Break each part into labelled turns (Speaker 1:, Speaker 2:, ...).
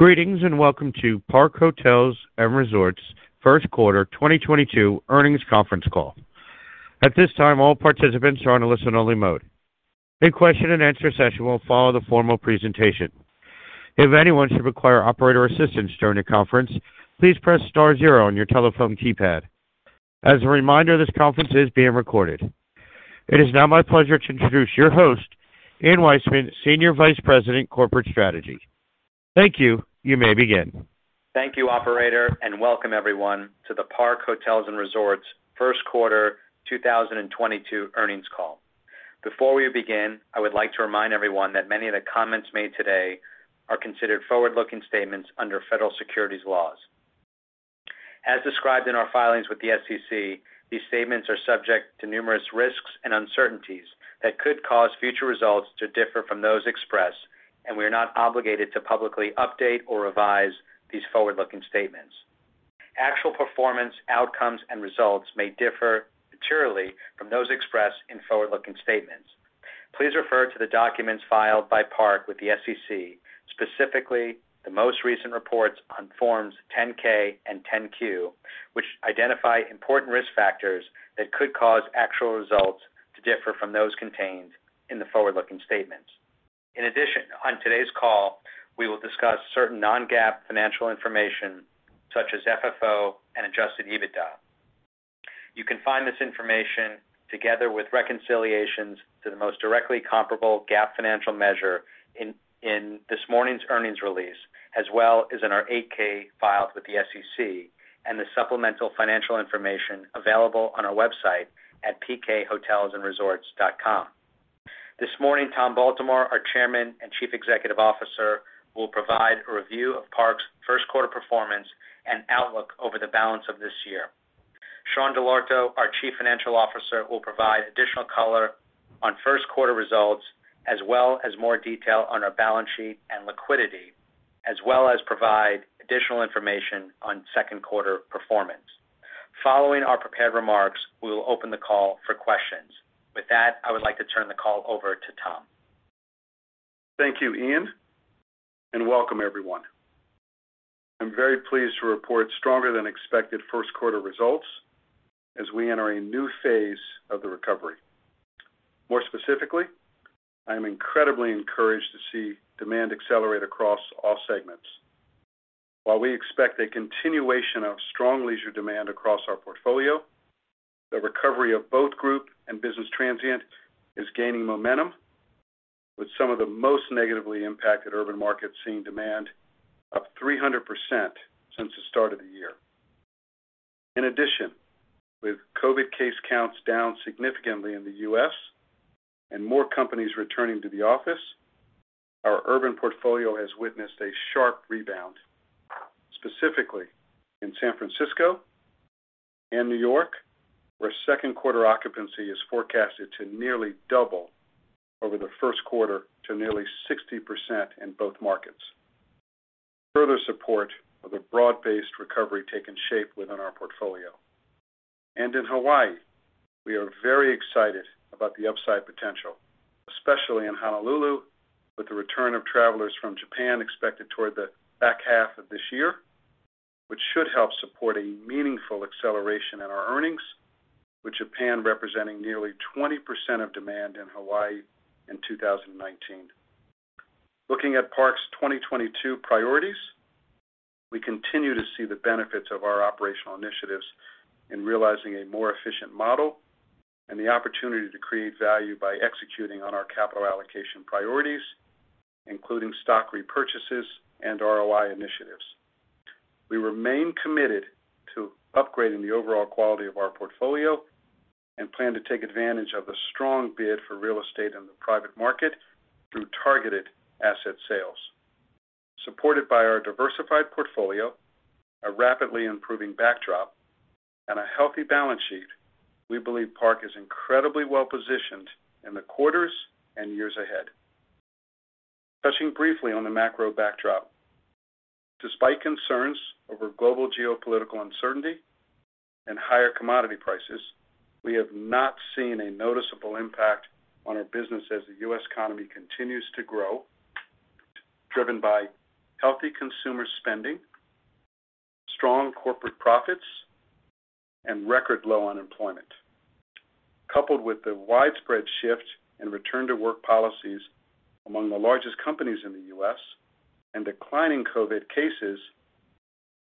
Speaker 1: Greetings, and welcome to Park Hotels & Resorts Q1 2022 earnings conference call. At this time, all participants are in a listen only mode. A Q&A session will follow the formal presentation. If anyone should require operator assistance during the conference, please press star zero on your telephone keypad. As a reminder, this conference is being recorded. It is now my pleasure to introduce your host, Ian Weissman, Senior Vice President, Corporate Strategy. Thank you. You may begin.
Speaker 2: Thank you, operator, and welcome everyone to the Park Hotels & Resorts Q1 2022 earnings call. Before we begin, I would like to remind everyone that many of the comments made today are considered forward-looking statements under federal securities laws. As described in our filings with the SEC, these statements are subject to numerous risks and uncertainties that could cause future results to differ from those expressed, and we are not obligated to publicly update or revise these forward-looking statements. Actual performance outcomes and results may differ materially from those expressed in forward-looking statements. Please refer to the documents filed by Park with the SEC, specifically the most recent reports on forms 10-K and 10-Q, which identify important risk factors that could cause actual results to differ from those contained in the forward-looking statements. In addition, on today's call, we will discuss certain non-GAAP financial information such as FFO and adjusted EBITDA. You can find this information together with reconciliations to the most directly comparable GAAP financial measure in this morning's earnings release, as well as in our 8-K filed with the SEC and the supplemental financial information available on our website at pkhotelsandresorts.com. This morning, Tom Baltimore, our Chairman and Chief Executive Officer, will provide a review of Park's Q1 performance and outlook over the balance of this year. Sean Dell'Orto, our Chief Financial Officer, will provide additional color on Q1 results, as well as more detail on our balance sheet and liquidity, as well as provide additional information on Q2 performance. Following our prepared remarks, we will open the call for questions. With that, I would like to turn the call over to Tom.
Speaker 3: Thank you, Ian, and welcome everyone. I'm very pleased to report stronger than expected Q1 results as we enter a new phase of the recovery. More specifically, I am incredibly encouraged to see demand accelerate across all segments. While we expect a continuation of strong leisure demand across our portfolio, the recovery of both group and business transient is gaining momentum, with some of the most negatively impacted urban markets seeing demand up 300% since the start of the year. In addition, with COVID case counts down significantly in the U.S. and more companies returning to the office, our urban portfolio has witnessed a sharp rebound, specifically in San Francisco and New York, where Q occupancy is forecasted to nearly double over the Q1 to nearly 60% in both markets. Further support of a broad-based recovery taking shape within our portfolio. In Hawaii, we are very excited about the upside potential, especially in Honolulu, with the return of travelers from Japan expected toward the back half of this year, which should help support a meaningful acceleration in our earnings, with Japan representing nearly 20% of demand in Hawaii in 2019. Looking at Park's 2022 priorities, we continue to see the benefits of our operational initiatives in realizing a more efficient model and the opportunity to create value by executing on our capital allocation priorities, including stock repurchases and ROI initiatives. We remain committed to upgrading the overall quality of our portfolio and plan to take advantage of the strong bid for real estate in the private market through targeted asset sales. Supported by our diversified portfolio, a rapidly improving backdrop, and a healthy balance sheet, we believe Park is incredibly well-positioned in the quarters and years ahead. Touching briefly on the macro backdrop. Despite concerns over global geopolitical uncertainty and higher commodity prices, we have not seen a noticeable impact on our business as the U.S. economy continues to grow, driven by healthy consumer spending, strong corporate profits, and record low unemployment. Coupled with the widespread shift in return to work policies among the largest companies in the U.S. and declining COVID cases,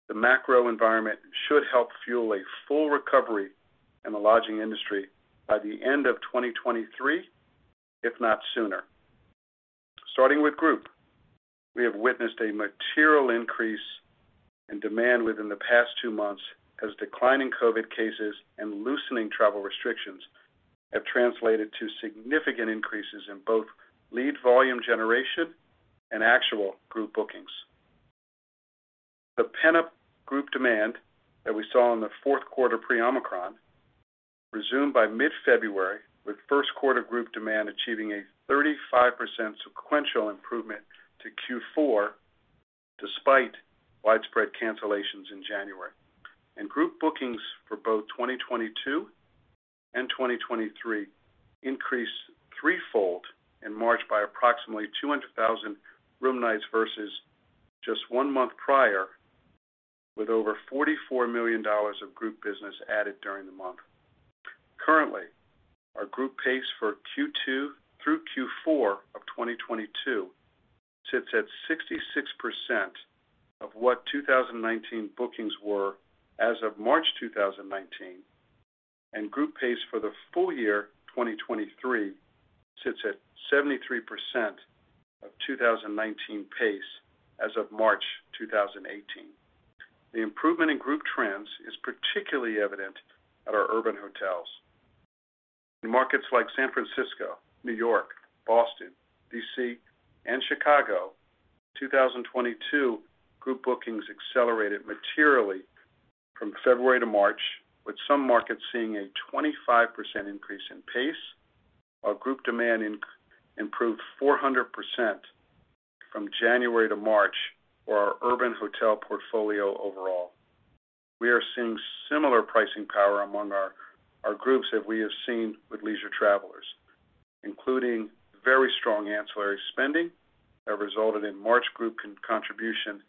Speaker 3: the macro environment should help fuel a full recovery in the lodging industry by the end of 2023, if not sooner. Starting with group, we have witnessed a material increase in demand within the past two months as declining COVID cases and loosening travel restrictions have translated to significant increases in both lead volume generation and actual group bookings. The pent-up group demand that we saw in the Q4 pre-Omicron resumed by mid-February, with Q1 group demand achieving a 35% sequential improvement to Q4 despite widespread cancellations in January. Group bookings for both 2022 and 2023 increased threefold in March by approximately 200,000 room nights versus just one month prior, with over $44 million of group business added during the month. Currently, our group pace for Q2 through Q4 of 2022 sits at 66% of what 2019 bookings were as of March 2019, and group pace for the full year 2023 sits at 73% of 2019 pace as of March 2018. The improvement in group trends is particularly evident at our urban hotels. In markets like San Francisco, New York, Boston, D.C., and Chicago, 2022 group bookings accelerated materially from February to March, with some markets seeing a 25% increase in pace, while group demand improved 400% from January to March for our urban hotel portfolio overall. We are seeing similar pricing power among our groups that we have seen with leisure travelers, including very strong ancillary spending that resulted in March group contribution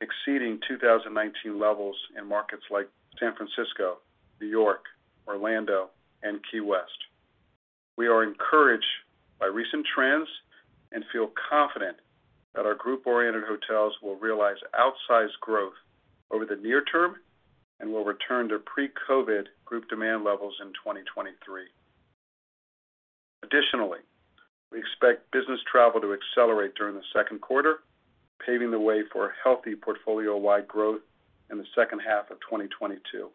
Speaker 3: exceeding 2019 levels in markets like San Francisco, New York, Orlando, and Key West. We are encouraged by recent trends and feel confident that our group-oriented hotels will realize outsized growth over the near term and will return to pre-COVID group demand levels in 2023. Additionally, we expect business travel to accelerate during the Q2, paving the way for healthy portfolio-wide growth in the H2 of 2022.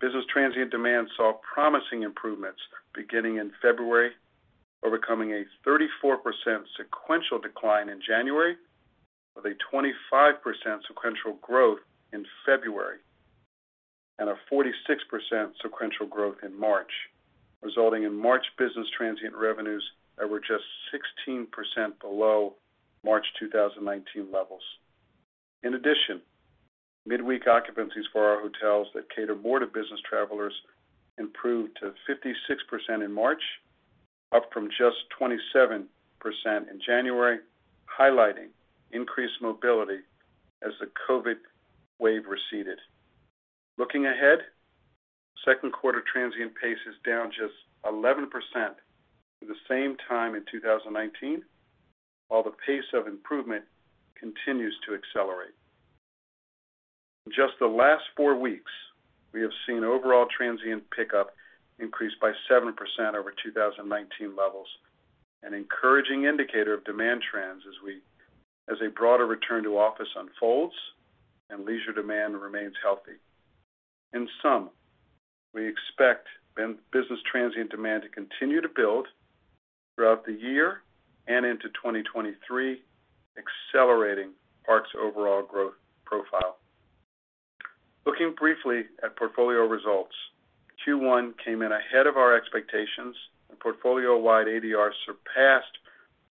Speaker 3: Business transient demand saw promising improvements beginning in February, overcoming a 34% sequential decline in January with a 25% sequential growth in February and a 46% sequential growth in March, resulting in March business transient revenues that were just 16% below March 2019 levels. In addition, midweek occupancies for our hotels that cater more to business travelers improved to 56% in March, up from just 27% in January, highlighting increased mobility as the COVID wave receded. Looking ahead, Q2 transient pace is down just 11% from the same time in 2019, while the pace of improvement continues to accelerate. In just the last 4 weeks, we have seen overall transient pickup increase by 7% over 2019 levels, an encouraging indicator of demand trends as a broader return to office unfolds and leisure demand remains healthy. In sum, we expect business transient demand to continue to build throughout the year and into 2023, accelerating Park's overall growth profile. Looking briefly at portfolio results, Q1 came in ahead of our expectations, and portfolio-wide ADR surpassed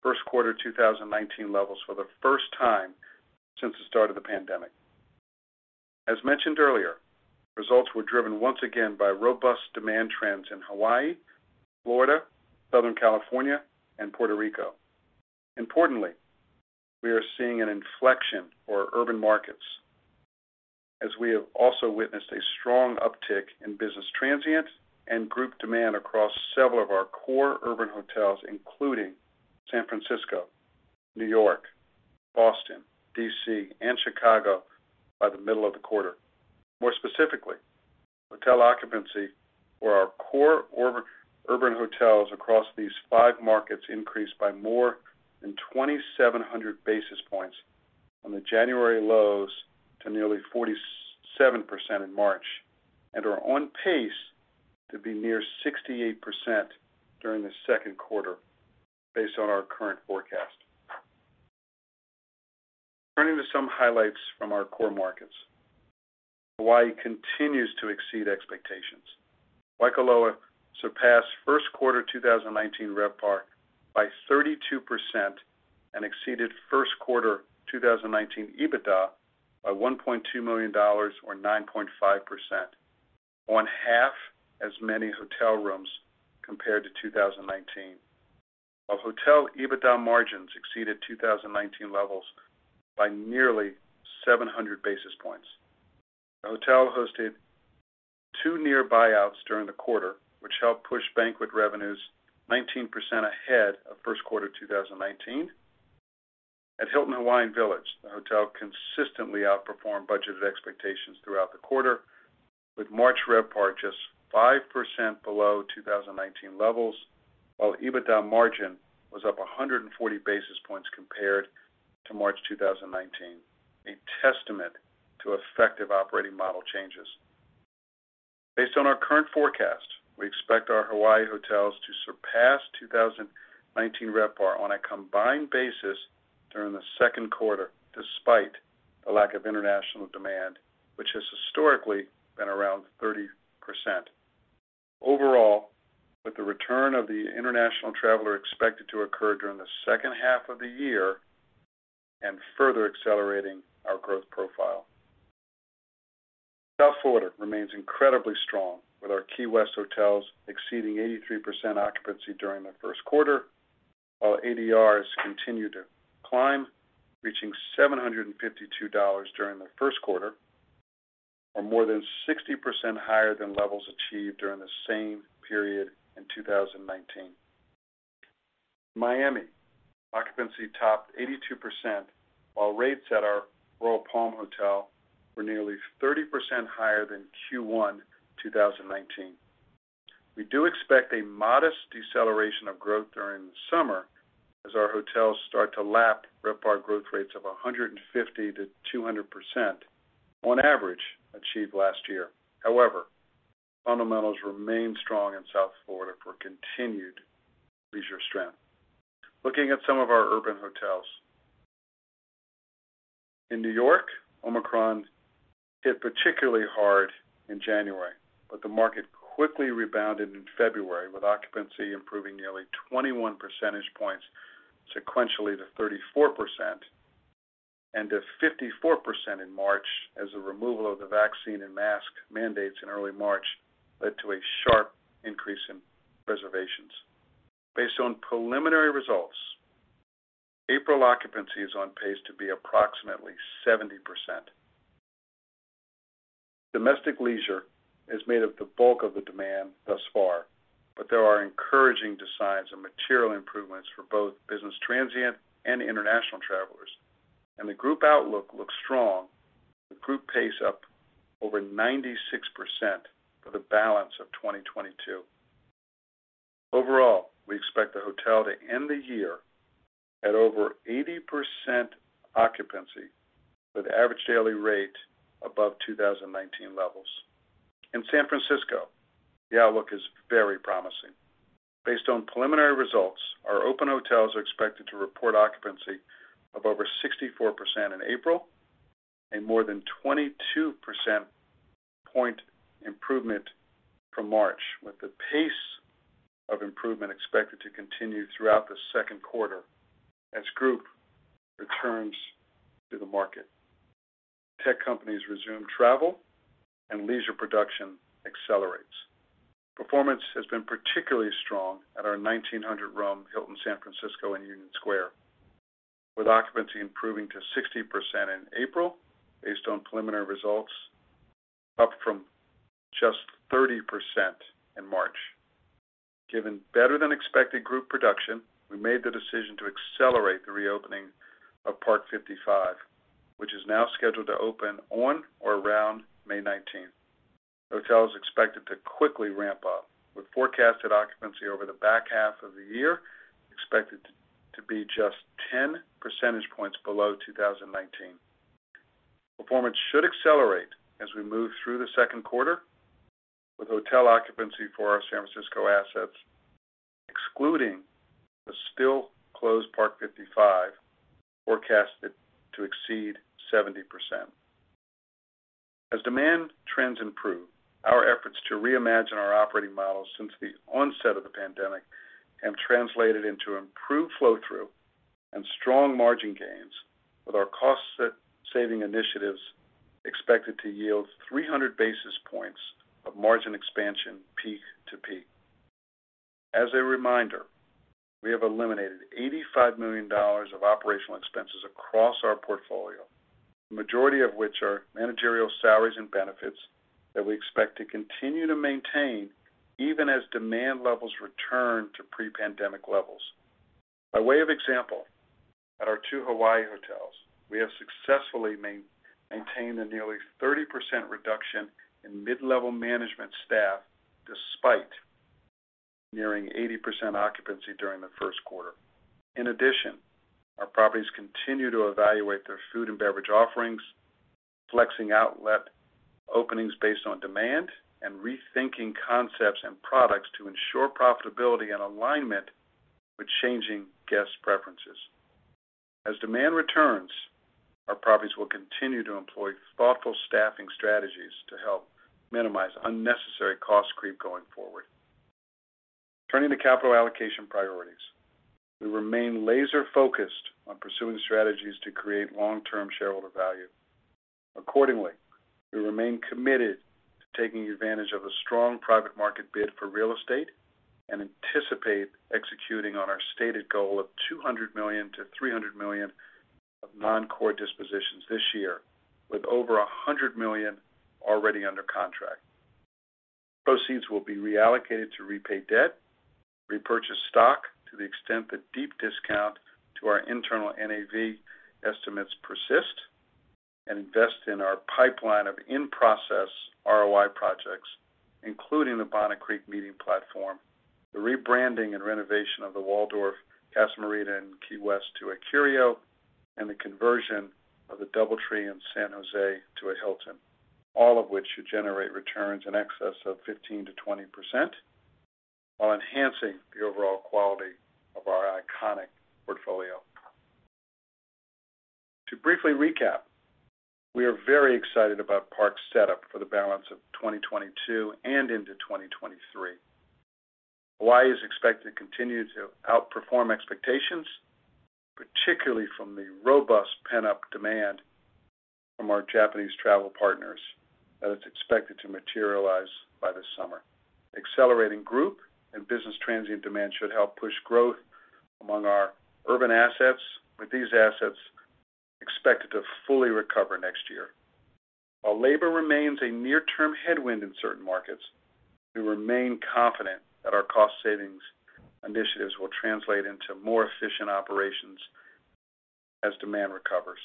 Speaker 3: Q1 2019 levels for the first time since the start of the pandemic. As mentioned earlier, results were driven once again by robust demand trends in Hawaii, Florida, Southern California, and Puerto Rico. Importantly, we are seeing an inflection for urban markets, as we have also witnessed a strong uptick in business transient and group demand across several of our core urban hotels, including San Francisco, New York, Boston, D.C., and Chicago by the middle of the quarter. More specifically, hotel occupancy for our core urban hotels across these five markets increased by more than 2,700 basis points on the January lows to nearly 47% in March and are on pace to be near 68% during the Q2 based on our current forecast. Turning to some highlights from our core markets. Hawaii continues to exceed expectations. Waikoloa surpassed Q1 2019 RevPAR by 32% and exceeded Q1 2019 EBITDA by $1.2 million or 9.5% on half as many hotel rooms compared to 2019, while hotel EBITDA margins exceeded 2019 levels by nearly 700 basis points. The hotel hosted 2 near buyouts during the quarter, which helped push banquet revenues 19% ahead of Q1 2019. At Hilton Hawaiian Village, the hotel consistently outperformed budgeted expectations throughout the quarter, with March RevPAR just 5% below 2019 levels, while EBITDA margin was up 140 basis points compared to March 2019, a testament to effective operating model changes. Based on our current forecast, we expect our Hawaii hotels to surpass 2019 RevPAR on a combined basis during the Q2, despite the lack of international demand, which has historically been around 30%. Overall, with the return of the international traveler expected to occur during the H2 of the year. Further accelerating our growth profile. South Florida remains incredibly strong, with our Key West hotels exceeding 83% occupancy during the Q1, while ADRs continued to climb, reaching $752 during the Q1, or more than 60% higher than levels achieved during the same period in 2019. Miami occupancy topped 82%, while rates at our Royal Palm Hotel were nearly 30% higher than Q1 2019. We do expect a modest deceleration of growth during the summer as our hotels start to lap RevPAR growth rates of 150% to 200% on average, achieved last year. However, fundamentals remain strong in South Florida for continued leisure strength. Looking at some of our urban hotels, in New York, Omicron hit particularly hard in January, but the market quickly rebounded in February, with occupancy improving nearly 21 percentage points sequentially to 34% and to 54% in March as the removal of the vaccine and mask mandates in early March led to a sharp increase in reservations. Based on preliminary results, April occupancy is on pace to be approximately 70%. Domestic leisure is made up the bulk of the demand thus far, but there are encouraging signs of material improvements for both business transient and international travelers, and the group outlook looks strong, with group pace up over 96% for the balance of 2022. Overall, we expect the hotel to end the year at over 80% occupancy with average daily rate above 2019 levels. In San Francisco, the outlook is very promising. Based on preliminary results, our open hotels are expected to report occupancy of over 64% in April and more than 22 percentage point improvement from March, with the pace of improvement expected to continue throughout the Q2 as group returns to the market, tech companies resume travel and leisure production accelerates. Performance has been particularly strong at our 1,900-room Hilton San Francisco Union Square, with occupancy improving to 60% in April based on preliminary results, up from just 30% in March. Given better than expected group production, we made the decision to accelerate the reopening of Parc 55, which is now scheduled to open on or around May 19. The hotel is expected to quickly ramp up, with forecasted occupancy over the back half of the year expected to be just 10 percentage points below 2019. Performance should accelerate as we move through the Q2, with hotel occupancy for our San Francisco assets, excluding the still closed Parc 55, forecasted to exceed 70%. As demand trends improve, our efforts to reimagine our operating model since the onset of the pandemic have translated into improved flow through and strong margin gains with our cost-saving initiatives expected to yield 300 basis points of margin expansion, peak to peak. As a reminder, we have eliminated $85 million of operational expenses across our portfolio, the majority of which are managerial salaries and benefits that we expect to continue to maintain even as demand levels return to pre-pandemic levels. By way of example, at our two Hawaii hotels, we have successfully maintained a nearly 30% reduction in mid-level management staff despite nearing 80% occupancy during the Q1. In addition, our properties continue to evaluate their food and beverage offerings, flexing outlet openings based on demand and rethinking concepts and products to ensure profitability and alignment with changing guest preferences. As demand returns, our properties will continue to employ thoughtful staffing strategies to help minimize unnecessary cost creep going forward. Turning to capital allocation priorities. We remain laser focused on pursuing strategies to create long term shareholder value. Accordingly, we remain committed to taking advantage of a strong private market bid for real estate and anticipate executing on our stated goal of $200 million to $300 million of non-core dispositions this year with over $100 million already under contract. Proceeds will be reallocated to repay debt, repurchase stock to the extent the deep discount to our internal NAV estimates persist, and invest in our pipeline of in-process ROI projects, including the Bonnet Creek meeting platform, the rebranding and renovation of the Casa Marina in Key West to a Curio, and the conversion of the DoubleTree in San Jose to a Hilton, all of which should generate returns in excess of 15% to 20% while enhancing the overall quality of our iconic portfolio. To briefly recap, we are very excited about Park's setup for the balance of 2022 and into 2023. Hawaii is expected to continue to outperform expectations, particularly from the robust pent-up demand from our Japanese travel partners that is expected to materialize by this summer. Accelerating group and business transient demand should help push growth among our urban assets, with these assets expected to fully recover next year. While labor remains a near-term headwind in certain markets, we remain confident that our cost savings initiatives will translate into more efficient operations as demand recovers.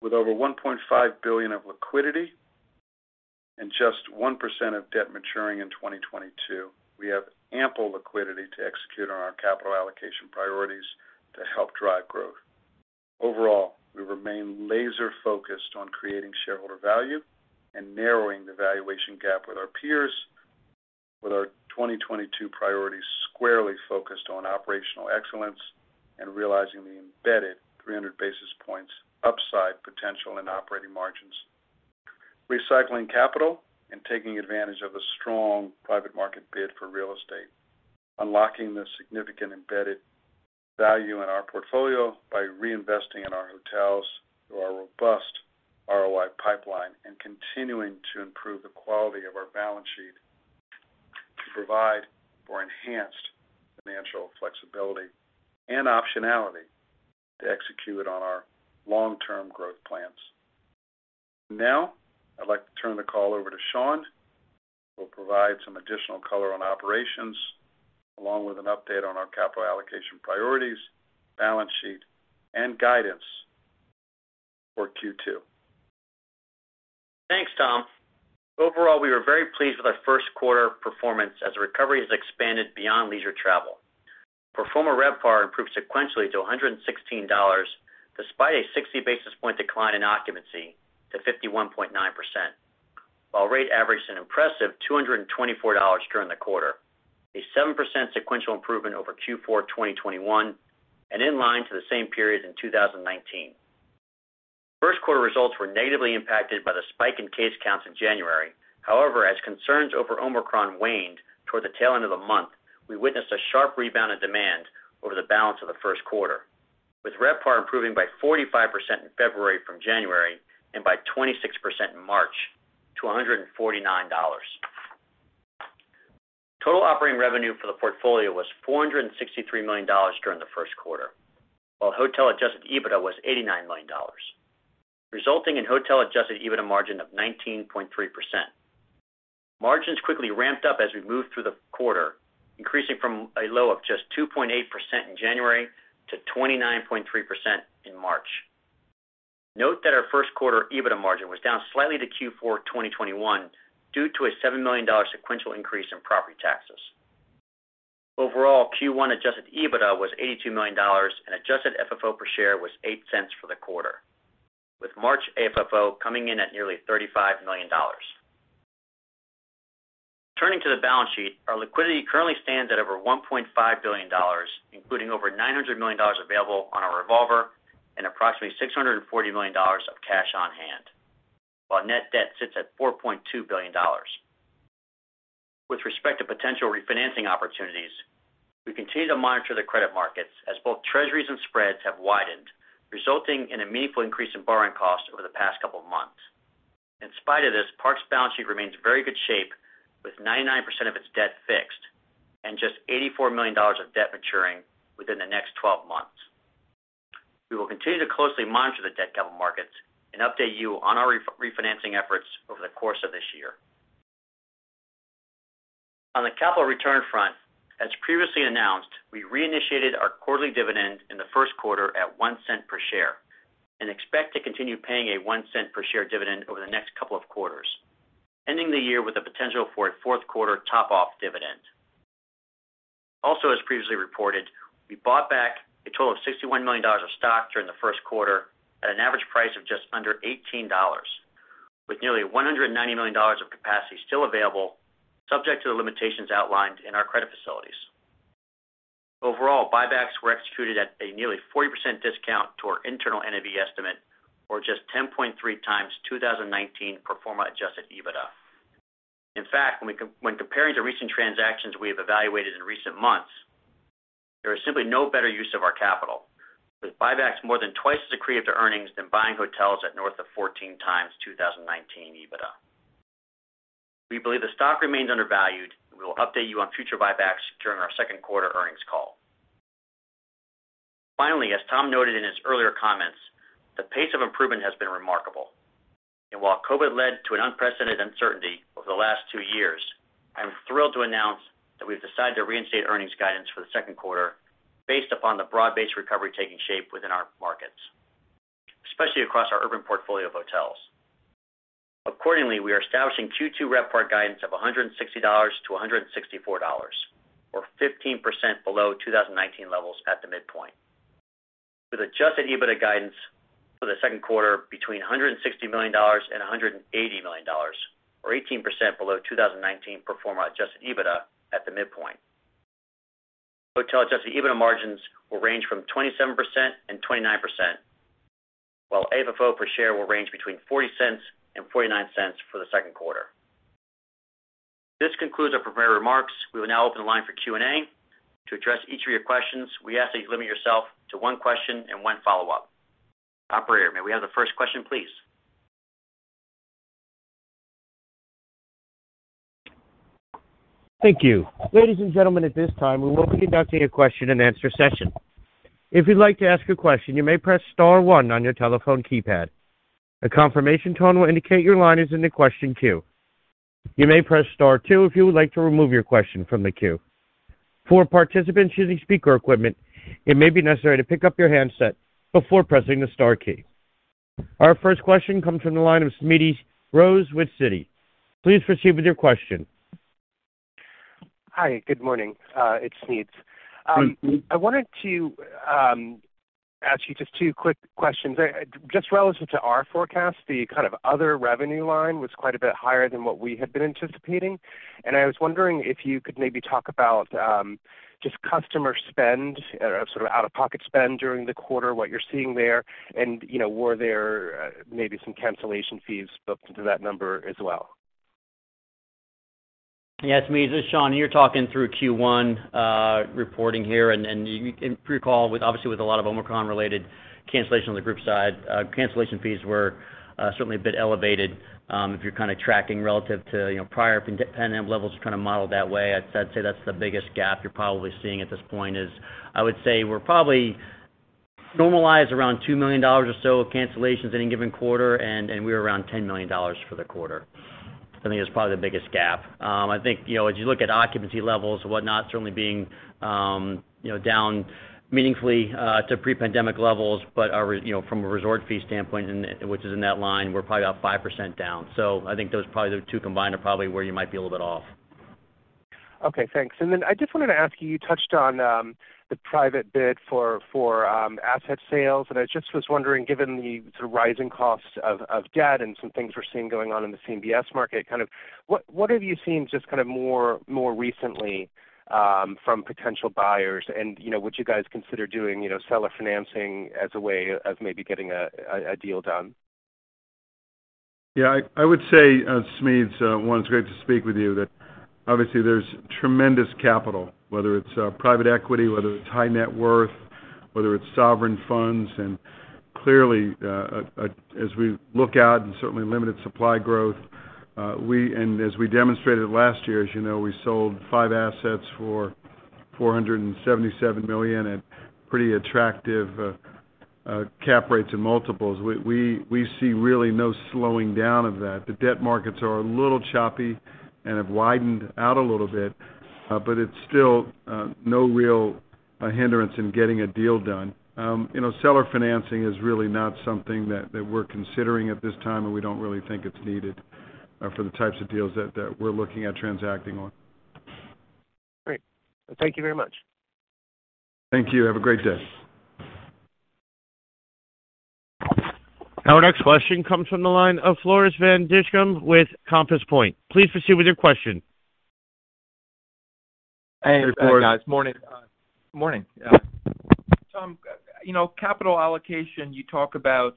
Speaker 3: With over $1.5 billion of liquidity and just 1% of debt maturing in 2022, we have ample liquidity to execute on our capital allocation priorities to help drive growth. Overall, we remain laser-focused on creating shareholder value and narrowing the valuation gap with our peers with our 2022 priorities squarely focused on operational excellence and realizing the embedded 300 basis points upside potential in operating margins, recycling capital and taking advantage of a strong private market bid for real estate, unlocking the significant embedded value in our portfolio by reinvesting in our hotels through our robust ROI pipeline and continuing to improve the quality of our balance sheet to provide for enhanced financial flexibility and optionality to execute on our long-term growth plans. Now, I'd like to turn the call over to Sean, who will provide some additional color on operations along with an update on our capital allocation priorities, balance sheet, and guidance for Q2.
Speaker 4: Thanks, Tom. Overall, we were very pleased with our Q1 performance as recovery has expanded beyond leisure travel. Pro forma RevPAR improved sequentially to $116 despite a 60 basis point decline in occupancy to 51.9%, while rate averaged an impressive $224 during the quarter, a 7% sequential improvement over Q4 2021 and in line to the same period in 2019. Q1 results were negatively impacted by the spike in case counts in January. However, as concerns over Omicron waned toward the tail end of the month, we witnessed a sharp rebound in demand over the balance of the Q1, with RevPAR improving by 45% in February from January and by 26% in March to $149. Total operating revenue for the portfolio was $463 million during the Q1, while hotel adjusted EBITDA was $89 million, resulting in hotel adjusted EBITDA margin of 19.3%. Margins quickly ramped up as we moved through the quarter, increasing from a low of just 2.8% in January to 29.3% in March. Note that our Q1 EBITDA margin was down slightly from Q4 2021 due to a $7 million sequential increase in property taxes. Overall, Q1 adjusted EBITDA was $82 million and adjusted FFO per share was $0.08 for the quarter, with March AFFO coming in at nearly $35 million. Turning to the balance sheet, our liquidity currently stands at over $1.5 billion, including over $900 million available on our revolver and approximately $640 million of cash on hand, while net debt sits at $4.2 billion. With respect to potential refinancing opportunities, we continue to monitor the credit markets as both treasuries and spreads have widened, resulting in a meaningful increase in borrowing costs over the past couple of months. In spite of this, Park's balance sheet remains in very good shape with 99% of its debt fixed and just $84 million of debt maturing within the next twelve months. We will continue to closely monitor the debt capital markets and update you on our refinancing efforts over the course of this year. On the capital return front, as previously announced, we reinitiated our quarterly dividend in the Q1 at $0.01 per share and expect to continue paying a $0.01 per share dividend over the next couple of quarters, ending the year with the potential for a Q4 top-off dividend. Also, as previously reported, we bought back a total of $61 million of stock during the Q1 at an average price of just under $18, with nearly $190 million of capacity still available, subject to the limitations outlined in our credit facilities. Overall, buybacks were executed at a nearly 40% discount to our internal NAV estimate or just 10.3x 2019 pro forma adjusted EBITDA. In fact, when comparing to recent transactions we have evaluated in recent months, there is simply no better use of our capital, with buybacks more than twice as accretive to earnings than buying hotels at north of 14x 2019 EBITDA. We believe the stock remains undervalued, and we will update you on future buybacks during our Q2 earnings call. Finally, as Tom noted in his earlier comments, the pace of improvement has been remarkable. While COVID led to an unprecedented uncertainty over the last two years, I am thrilled to announce that we've decided to reinstate earnings guidance for the Q2 based upon the broad-based recovery taking shape within our markets, especially across our urban portfolio of hotels. Accordingly, we are establishing Q2 RevPAR guidance of $160 to $164 or 15% below 2019 levels at the midpoint. With adjusted EBITDA guidance for the Q2 between $160 million and $180 million or 18% below 2019 pro forma adjusted EBITDA at the midpoint. Hotel adjusted EBITDA margins will range from 27% to 29%, while AFFO per share will range between $0.40 to $0.49 for the Q2. This concludes our prepared remarks. We will now open the line for Q&A. To address each of your questions, we ask that you limit yourself to one question and one follow-up. Operator, may we have the first question, please?
Speaker 1: Thank you. Ladies and gentlemen, at this time, we will be conducting a Q&A session. If you'd like to ask a question, you may press star one on your telephone keypad. A confirmation tone will indicate your line is in the question queue. You may press star two if you would like to remove your question from the queue. For participants using speaker equipment, it may be necessary to pick up your handset before pressing the star key. Our first question comes from the line of Smedes Rose with Citi. Please proceed with your question.
Speaker 5: Hi, good morning. It's Smedes. I wanted to ask you just two quick questions. Just relative to our forecast, the kind of other revenue line was quite a bit higher than what we had been anticipating. I was wondering if you could maybe talk about just customer spend or sort of out-of-pocket spend during the quarter, what you're seeing there, and, you know, were there maybe some cancellation fees booked into that number as well?
Speaker 4: Yes, Smedes, this is Sean. You're talking through Q1 reporting here, and you can recall with, obviously, with a lot of Omicron-related cancellation on the group side, cancellation fees were certainly a bit elevated. If you're kind of tracking relative to, you know, prior pre-pandemic levels to kind of model that way, I'd say that's the biggest gap you're probably seeing at this point is I would say we're probably normalized around $2 million or so of cancellations any given quarter, and we're around $10 million for the quarter. I think it's probably the biggest gap. I think, you know, as you look at occupancy levels and whatnot, certainly being, you know, down meaningfully to pre-pandemic levels, but our, you know, from a resort fee standpoint and, which is in that line, we're probably about 5% down. I think those probably the two combined are probably where you might be a little bit off.
Speaker 5: Okay, thanks. I just wanted to ask you touched on the private bid for asset sales. I just was wondering, given the sort of rising costs of debt and some things we're seeing going on in the CMBS market, kind of what have you seen just kind of more recently from potential buyers and, you know, would you guys consider doing, you know, seller financing as a way of maybe getting a deal done?
Speaker 3: Yeah, I would say, Smedes, it's great to speak with you. That obviously there's tremendous capital, whether it's private equity, whether it's high net worth, whether it's sovereign funds. Clearly, as we look out and certainly limited supply growth, we demonstrated last year, as you know, we sold five assets for $477 million at pretty attractive cap rates and multiples. We see really no slowing down of that. The debt markets are a little choppy and have widened out a little bit, but it's still no real hindrance in getting a deal done. You know, seller financing is really not something that we're considering at this time, and we don't really think it's needed for the types of deals that we're looking at transacting on.
Speaker 5: Great. Thank you very much.
Speaker 3: Thank you. Have a great day.
Speaker 1: Our next question comes from the line of Floris van Dijkum with Compass Point. Please proceed with your question.
Speaker 6: Hey, good morning. Morning. Tom, you know, capital allocation, you talk about,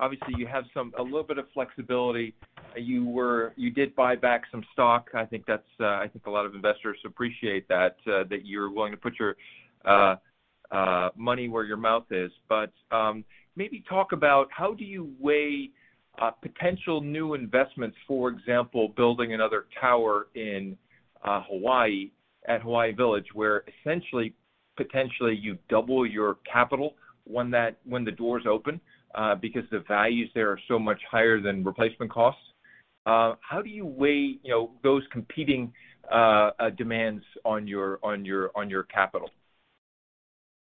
Speaker 6: obviously, you have some, a little bit of flexibility. You did buy back some stock. I think that's. I think a lot of investors appreciate that you're willing to put your money where your mouth is. Maybe talk about how do you weigh potential new investments, for example, building another tower in Hawaii at Hilton Hawaiian Village, where essentially, potentially you double your capital when the doors open, because the values there are so much higher than replacement costs. How do you weigh, you know, those competing demands on your capital?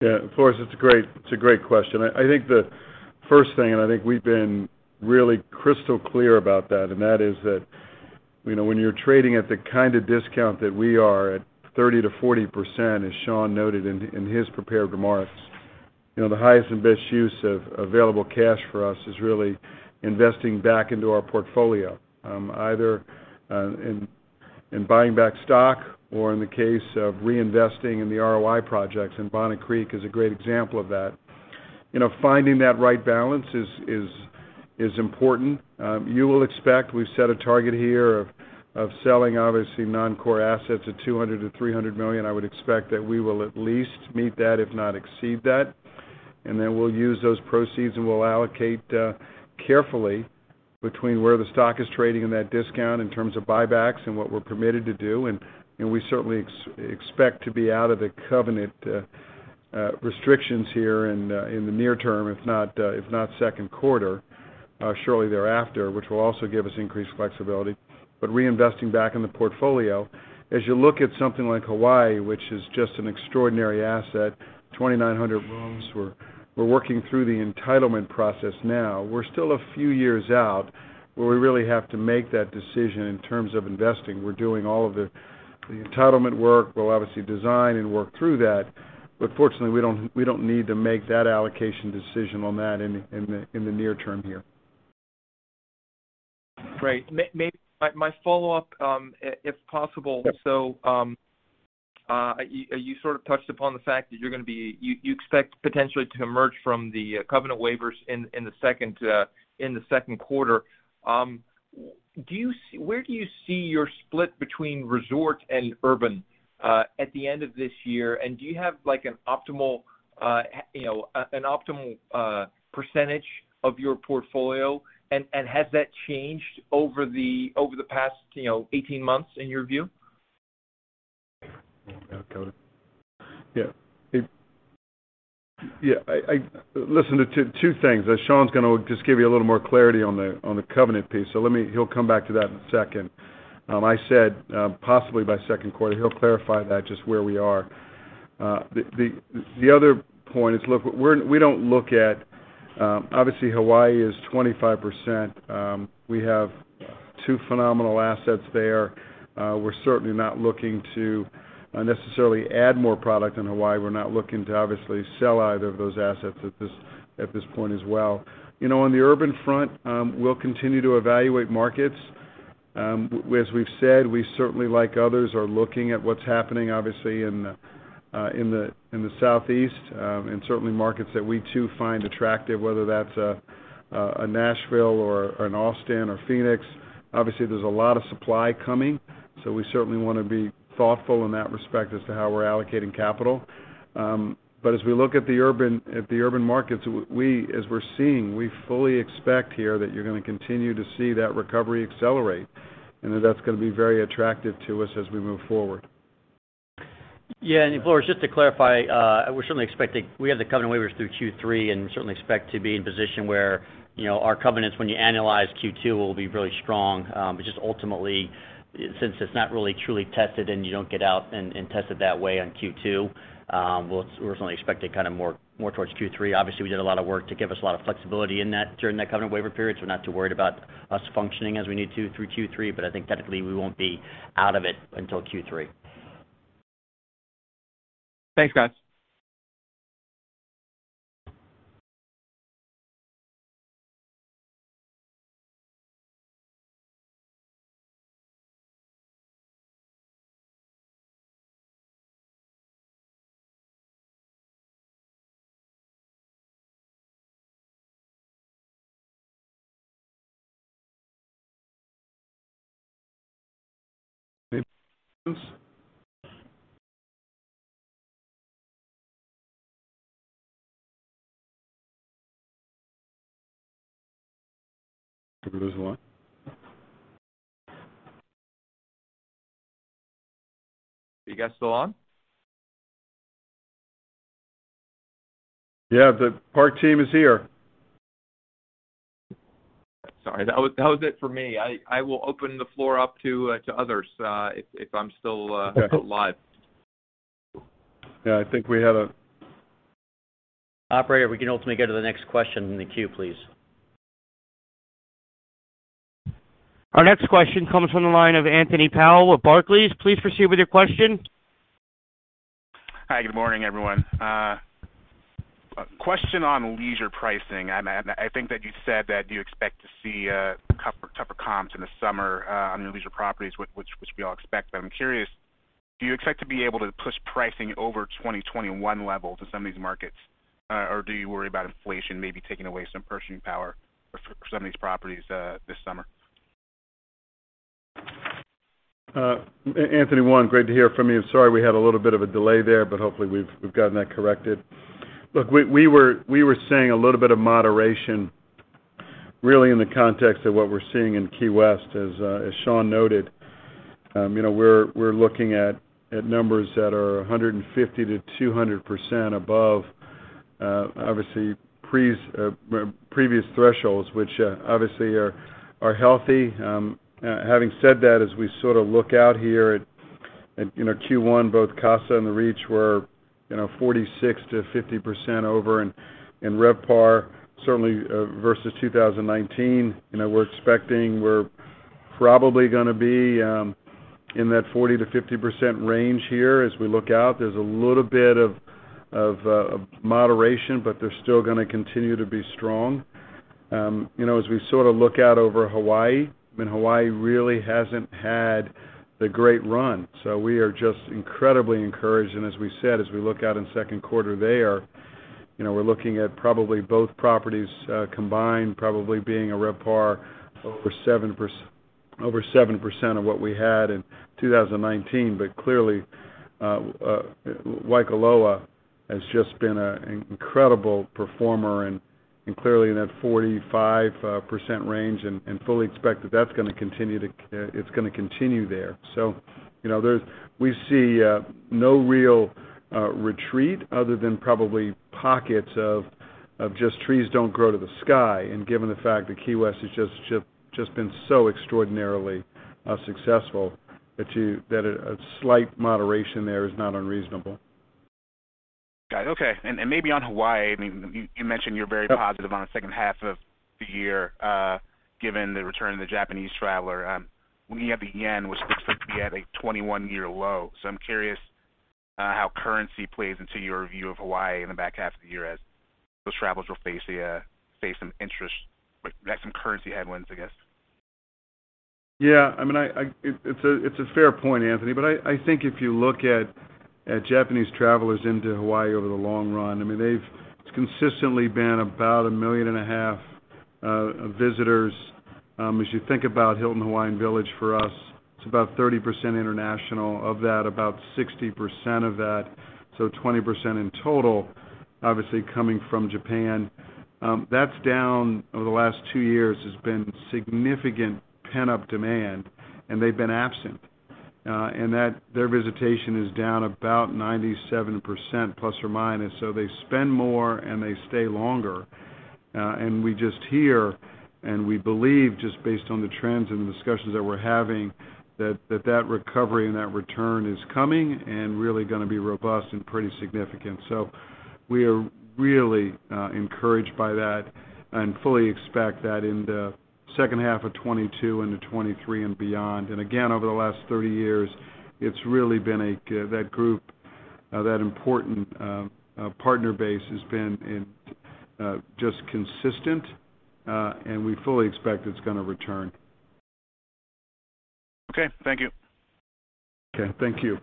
Speaker 3: Yeah, Floris, it's a great question. I think the first thing, and I think we've been really crystal clear about that, and that is that, you know, when you're trading at the kind of discount that we are at 30% to 40%, as Sean noted in his prepared remarks, you know, the highest and best use of available cash for us is really investing back into our portfolio, either in buying back stock or in the case of reinvesting in the ROI projects, and Bonnet Creek is a great example of that. You know, finding that right balance is important. You will expect we've set a target here of selling obviously non-core assets of $200 million to $300 million. I would expect that we will at least meet that, if not exceed that. We'll use those proceeds, and we'll allocate carefully between where the stock is trading in that discount in terms of buybacks and what we're permitted to do. You know, we certainly expect to be out of the covenant restrictions here in the near term, if not Q2, shortly thereafter, which will also give us increased flexibility. Reinvesting back in the portfolio, as you look at something like Hawaii, which is just an extraordinary asset, 2,900 rooms, we're working through the entitlement process now. We're still a few years out, where we really have to make that decision in terms of investing. We're doing all of the entitlement work. We'll obviously design and work through that. Fortunately, we don't need to make that allocation decision on that in the near term here.
Speaker 6: Great. My follow-up, if possible. You sort of touched upon the fact that you're gonna be. You expect potentially to emerge from the covenant waivers in the Q2. Where do you see your split between resort and urban at the end of this year? And do you have like an optimal, you know, percentage of your portfolio? And has that changed over the past, you know, 18 months in your view?
Speaker 3: Listen to two things. Sean is going to just give you a little more clarity on the covenant piece. He'll come back to that in a second. I said possibly by Q2, he'll clarify that just where we are. The other point is, look, we don't look at. Obviously Hawaii is 25%. We have two phenomenal assets there. We're certainly not looking to necessarily add more product in Hawaii. We're not looking to obviously sell either of those assets at this point as well. You know, on the urban front, we'll continue to evaluate markets. As we've said, we certainly, like others, are looking at what's happening obviously in the Southeast, and certainly markets that we too find attractive, whether that's a Nashville or an Austin or Phoenix. Obviously, there's a lot of supply coming, so we certainly wanna be thoughtful in that respect as to how we're allocating capital. But as we look at the urban markets, as we're seeing, we fully expect here that you're gonna continue to see that recovery accelerate, and that's gonna be very attractive to us as we move forward.
Speaker 4: Yeah. Floris, just to clarify, we're certainly expecting. We have the covenant waivers through Q3, and certainly expect to be in a position where, you know, our covenants when you annualize Q2 will be really strong. But just ultimately, since it's not really truly tested and you don't get out and test it that way on Q2, we're certainly expecting kind of more towards Q3. Obviously, we did a lot of work to give us a lot of flexibility during that covenant waiver period, so we're not too worried about us functioning as we need to through Q3, but I think technically we won't be out of it until Q3.
Speaker 6: Thanks, guys. Are you guys still on?
Speaker 3: Yeah, the Park team is here.
Speaker 6: Sorry. That was it for me. I will open the floor up to others if I'm still live.
Speaker 3: Yeah, I think we had.
Speaker 4: Operator, we can ultimately go to the next question in the queue, please.
Speaker 1: Our next question comes from the line of Anthony Powell with Barclays. Please proceed with your question.
Speaker 7: Hi. Good morning, everyone. Question on leisure pricing. I think that you said that you expect to see tougher comps in the summer on your leisure properties, which we all expect. I'm curious, do you expect to be able to push pricing over 2021 levels in some of these markets? Or do you worry about inflation maybe taking away some purchasing power for some of these properties this summer?
Speaker 3: Anthony, great to hear from you. Sorry, we had a little bit of a delay there, but hopefully we've gotten that corrected. Look, we were seeing a little bit of moderation really in the context of what we're seeing in Key West. As Sean noted, you know, we're looking at numbers that are 150% to 200% above, obviously previous thresholds, which obviously are healthy. Having said that, as we sort of look out here at, you know, Q1, both Casa and The Reach were, you know, 46% to 50% over in RevPAR, certainly, versus 2019. You know, we're expecting we're probably gonna be in that 40% to 50% range here as we look out. There's a little bit of moderation, but they're still gonna continue to be strong. You know, as we sort of look out over Hawaii, I mean, Hawaii really hasn't had the great run, so we are just incredibly encouraged. As we said, as we look out in Q2 there, you know, we're looking at probably both properties combined probably being a RevPAR over 7% of what we had in 2019. Clearly, Waikoloa has just been an incredible performer and clearly in that 45% range, and fully expect that that's gonna continue there. You know, we see no real retreat other than probably pockets of just trees don't grow to the sky. Given the fact that Key West has just been so extraordinarily successful that a slight moderation there is not unreasonable.
Speaker 7: Got it. Okay. Maybe on Hawaii, I mean, you mentioned you're very positive on the H2 of the year, given the return of the Japanese traveler. We have the yen, which looks like we have a 21-year low. I'm curious
Speaker 8: How currency plays into your view of Hawaii in the back half of the year as those travelers will face some interest, but have some currency headwinds, I guess?
Speaker 3: Yeah. I mean, it's a fair point, Anthony. I think if you look at Japanese travelers into Hawaii over the long run, I mean, they've consistently been about 1.5 million visitors. As you think about Hilton Hawaiian Village, for us, it's about 30% international. Of that, about 60% of that, so 20% in total, obviously coming from Japan. That's down over the last 2 years. There has been significant pent-up demand, and they've been absent. Their visitation is down about 97% ±, so they spend more, and they stay longer. We just hear and we believe just based on the trends and the discussions that we're having, that that recovery and that return is coming and really gonna be robust and pretty significant. We are really encouraged by that and fully expect that in the H2 of 2022 into 2023 and beyond. Again, over the last 30 years, it's really been that group, that important partner base has been just consistent, and we fully expect it's gonna return.
Speaker 8: Okay. Thank you.
Speaker 3: Okay. Thank you.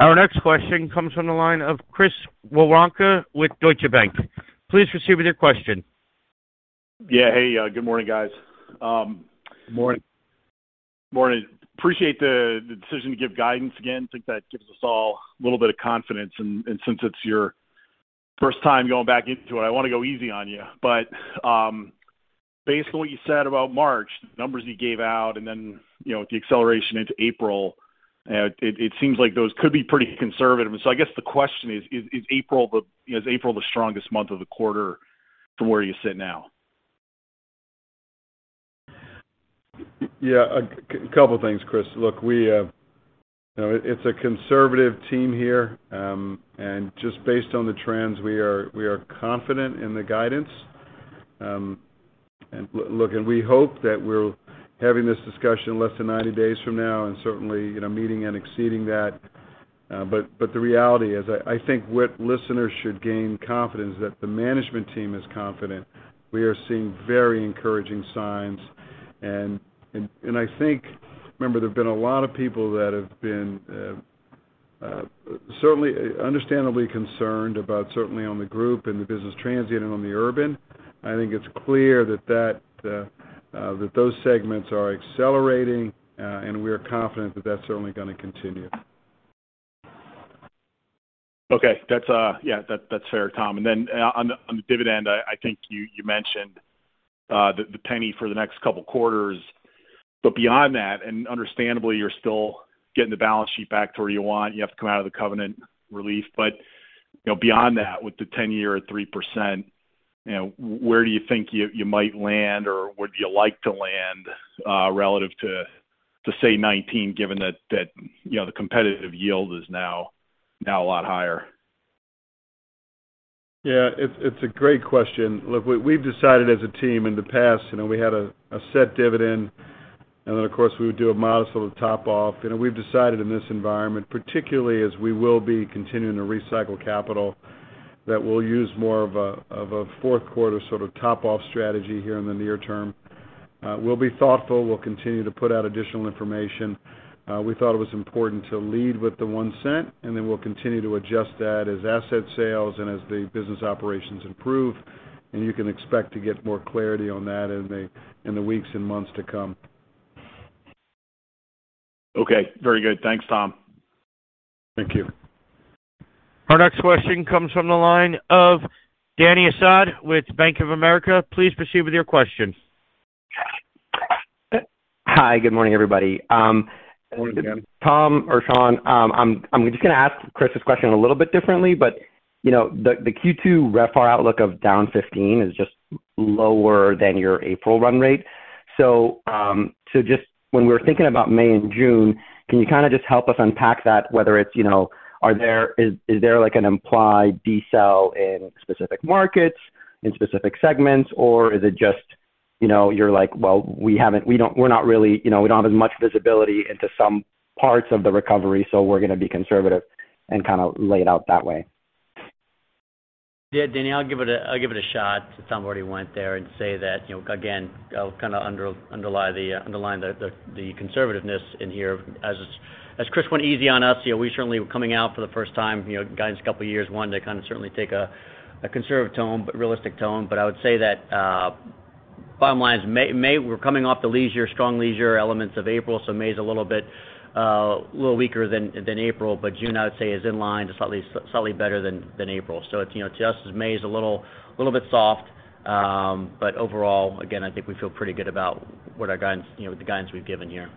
Speaker 1: Our next question comes from the line of Chris Woronka with Deutsche Bank. Please proceed with your question.
Speaker 9: Yeah. Hey, good morning, guys.
Speaker 3: Morning.
Speaker 9: Morning. Appreciate the decision to give guidance again. Think that gives us all a little bit of confidence, and since it's your first time going back into it, I wanna go easy on you. Based on what you said about March, the numbers you gave out and then, you know, with the acceleration into April, it seems like those could be pretty conservative. I guess the question is, you know, is April the strongest month of the quarter from where you sit now?
Speaker 3: Yeah. A couple of things, Chris. Look, it's a conservative team here, and just based on the trends, we are confident in the guidance. Look, we hope that we're having this discussion less than 90 days from now and certainly meeting and exceeding that. The reality is, I think what listeners should gain confidence that the management team is confident. We are seeing very encouraging signs. I think remember, there have been a lot of people that have been certainly understandably concerned about certainly on the group and the transient business in the urban. I think it's clear that those segments are accelerating, and we are confident that that's certainly gonna continue.
Speaker 9: Okay. That's fair, Tom. Then, on the dividend, I think you mentioned the penny for the next couple quarters. Beyond that, understandably, you're still getting the balance sheet back to where you want. You have to come out of the covenant relief. Beyond that, with the 10-year at 3%, you know, where do you think you might land, or would you like to land, relative to, say, 2019, given that you know, the competitive yield is now a lot higher?
Speaker 3: Yeah. It's a great question. Look, we've decided as a team in the past, you know, we had a set dividend, and then, of course, we would do a modest little top off. You know, we've decided in this environment, particularly as we will be continuing to recycle capital, that we'll use more of a Q4 sort of top off strategy here in the near term. We'll be thoughtful. We'll continue to put out additional information. We thought it was important to lead with the $0.01, and then we'll continue to adjust that as asset sales and as the business operations improve, and you can expect to get more clarity on that in the weeks and months to come.
Speaker 9: Okay. Very good. Thanks, Tom.
Speaker 3: Thank you.
Speaker 1: Our next question comes from the line of Dany Asad with Bank of America. Please proceed with your question.
Speaker 10: Hi. Good morning, everybody.
Speaker 3: Morning, Dany Asad.
Speaker 10: Tom or Sean, I'm just gonna ask Chris' question a little bit differently, but you know, the Q2 RevPAR outlook of down 15% is just lower than your April run rate. Just when we're thinking about May and June, can you kinda just help us unpack that, whether it's you know, is there like an implied decel in specific markets, in specific segments, or is it just you know, you're like, "Well, we don't have as much visibility into some parts of the recovery, so we're gonna be conservative and kinda lay it out that way"?
Speaker 4: Yeah, Dany, I'll give it a shot, since Tom already went there and say that, you know, again, I'll kinda underline the conservativeness in here. As Chris went easy on us, you know, we certainly were coming out for the first time, you know, guidance couple years one to kinda certainly take a conservative tone, but realistic tone. I would say that bottom line is May, we're coming off the leisure strong leisure elements of April, so May is a little weaker than April. June, I would say is in line to slightly better than April. It's, you know, just May is a little bit soft. Overall, again, I think we feel pretty good about what our guidance, you know, the guidance we've given here.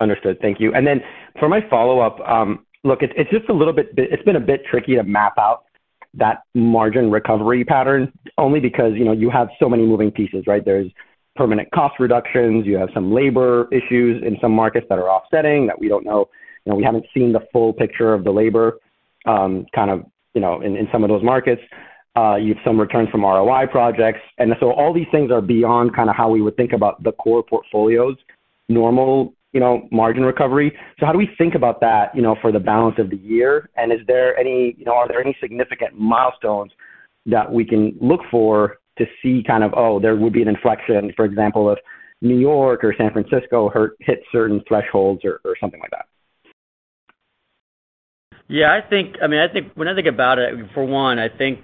Speaker 10: Understood. Thank you. For my follow-up, it's been a bit tricky to map out that margin recovery pattern only because, you know, you have so many moving pieces, right? There's permanent cost reductions. You have some labor issues in some markets that are offsetting that we don't know. You know, we haven't seen the full picture of the labor, kind of, you know, in some of those markets, you have some returns from ROI projects. All these things are beyond kind of how we would think about the core portfolio's normal, you know, margin recovery. How do we think about that, you know, for the balance of the year? Is there any? You know, are there any significant milestones that we can look for to see kind of, oh, there would be an inflection, for example, if New York or San Francisco hits certain thresholds or something like that?
Speaker 4: Yeah, I mean, I think when I think about it, for one, I think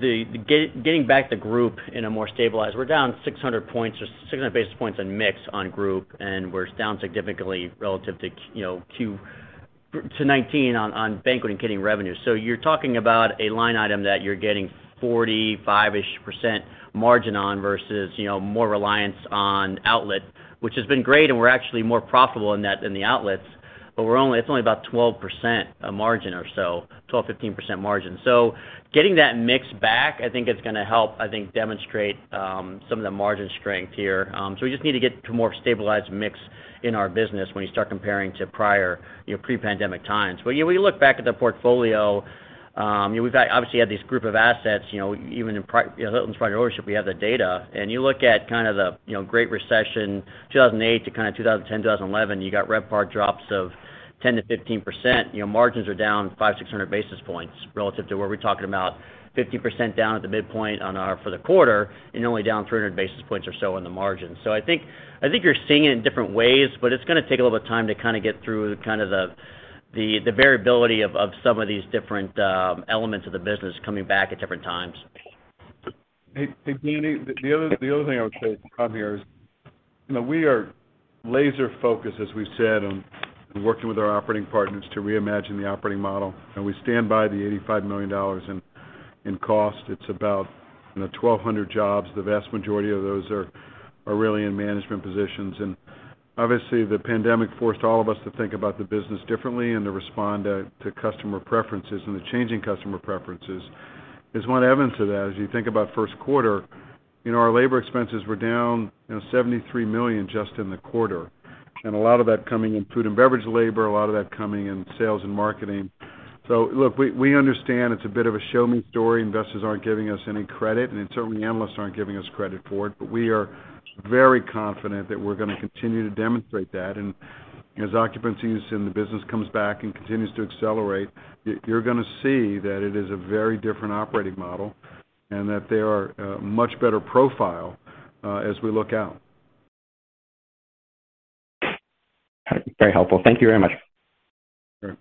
Speaker 4: getting back the group in a more stabilized. We're down 600 points or 600 basis points on mix on group, and we're down significantly relative to, you know, to 2019 on banquet and catering revenue. You're talking about a line item that you're getting 45-ish% margin on versus, you know, more reliance on outlet, which has been great, and we're actually more profitable in that than the outlets. It's only about 12% margin or so, 12 to 15% margin. Getting that mix back, I think it's gonna help, I think, demonstrate some of the margin strength here. We just need to get to a more stabilized mix in our business when you start comparing to prior, you know, pre-pandemic times. But when you look back at the portfolio, you know, we've got obviously had this group of assets, you know, even in Hilton's private ownership, we have the data. You look at kind of the, you know, Great Recession, 2008 to kind of 2010, 2011, you got RevPAR drops of 10% to 15%. You know, margins are down 500 to 600 basis points relative to where we're talking about 50% down at the midpoint on our for the quarter and only down 300 basis points or so on the margin. I think you're seeing it in different ways, but it's gonna take a little bit of time to kind of get through kind of the variability of some of these different elements of the business coming back at different times.
Speaker 3: Hey, Danny. The other thing I would say, Avi, here is, you know, we are laser focused, as we've said, on working with our operating partners to reimagine the operating model, and we stand by the $85 million in cost. It's about, you know, 1,200 jobs. The vast majority of those are really in management positions. Obviously, the pandemic forced all of us to think about the business differently and to respond to customer preferences and the changing customer preferences. There's one evidence of that. As you think about Q1, you know, our labor expenses were down $73 million just in the quarter, and a lot of that coming in food and beverage labor, a lot of that coming in sales and marketing. Look, we understand it's a bit of a show-me story. Investors aren't giving us any credit, and certainly analysts aren't giving us credit for it. We are very confident that we're gonna continue to demonstrate that. As occupancies in the business comes back and continues to accelerate, you're gonna see that it is a very different operating model and that they are a much better profile, as we look out.
Speaker 10: Very helpful. Thank you very much.
Speaker 3: Sure.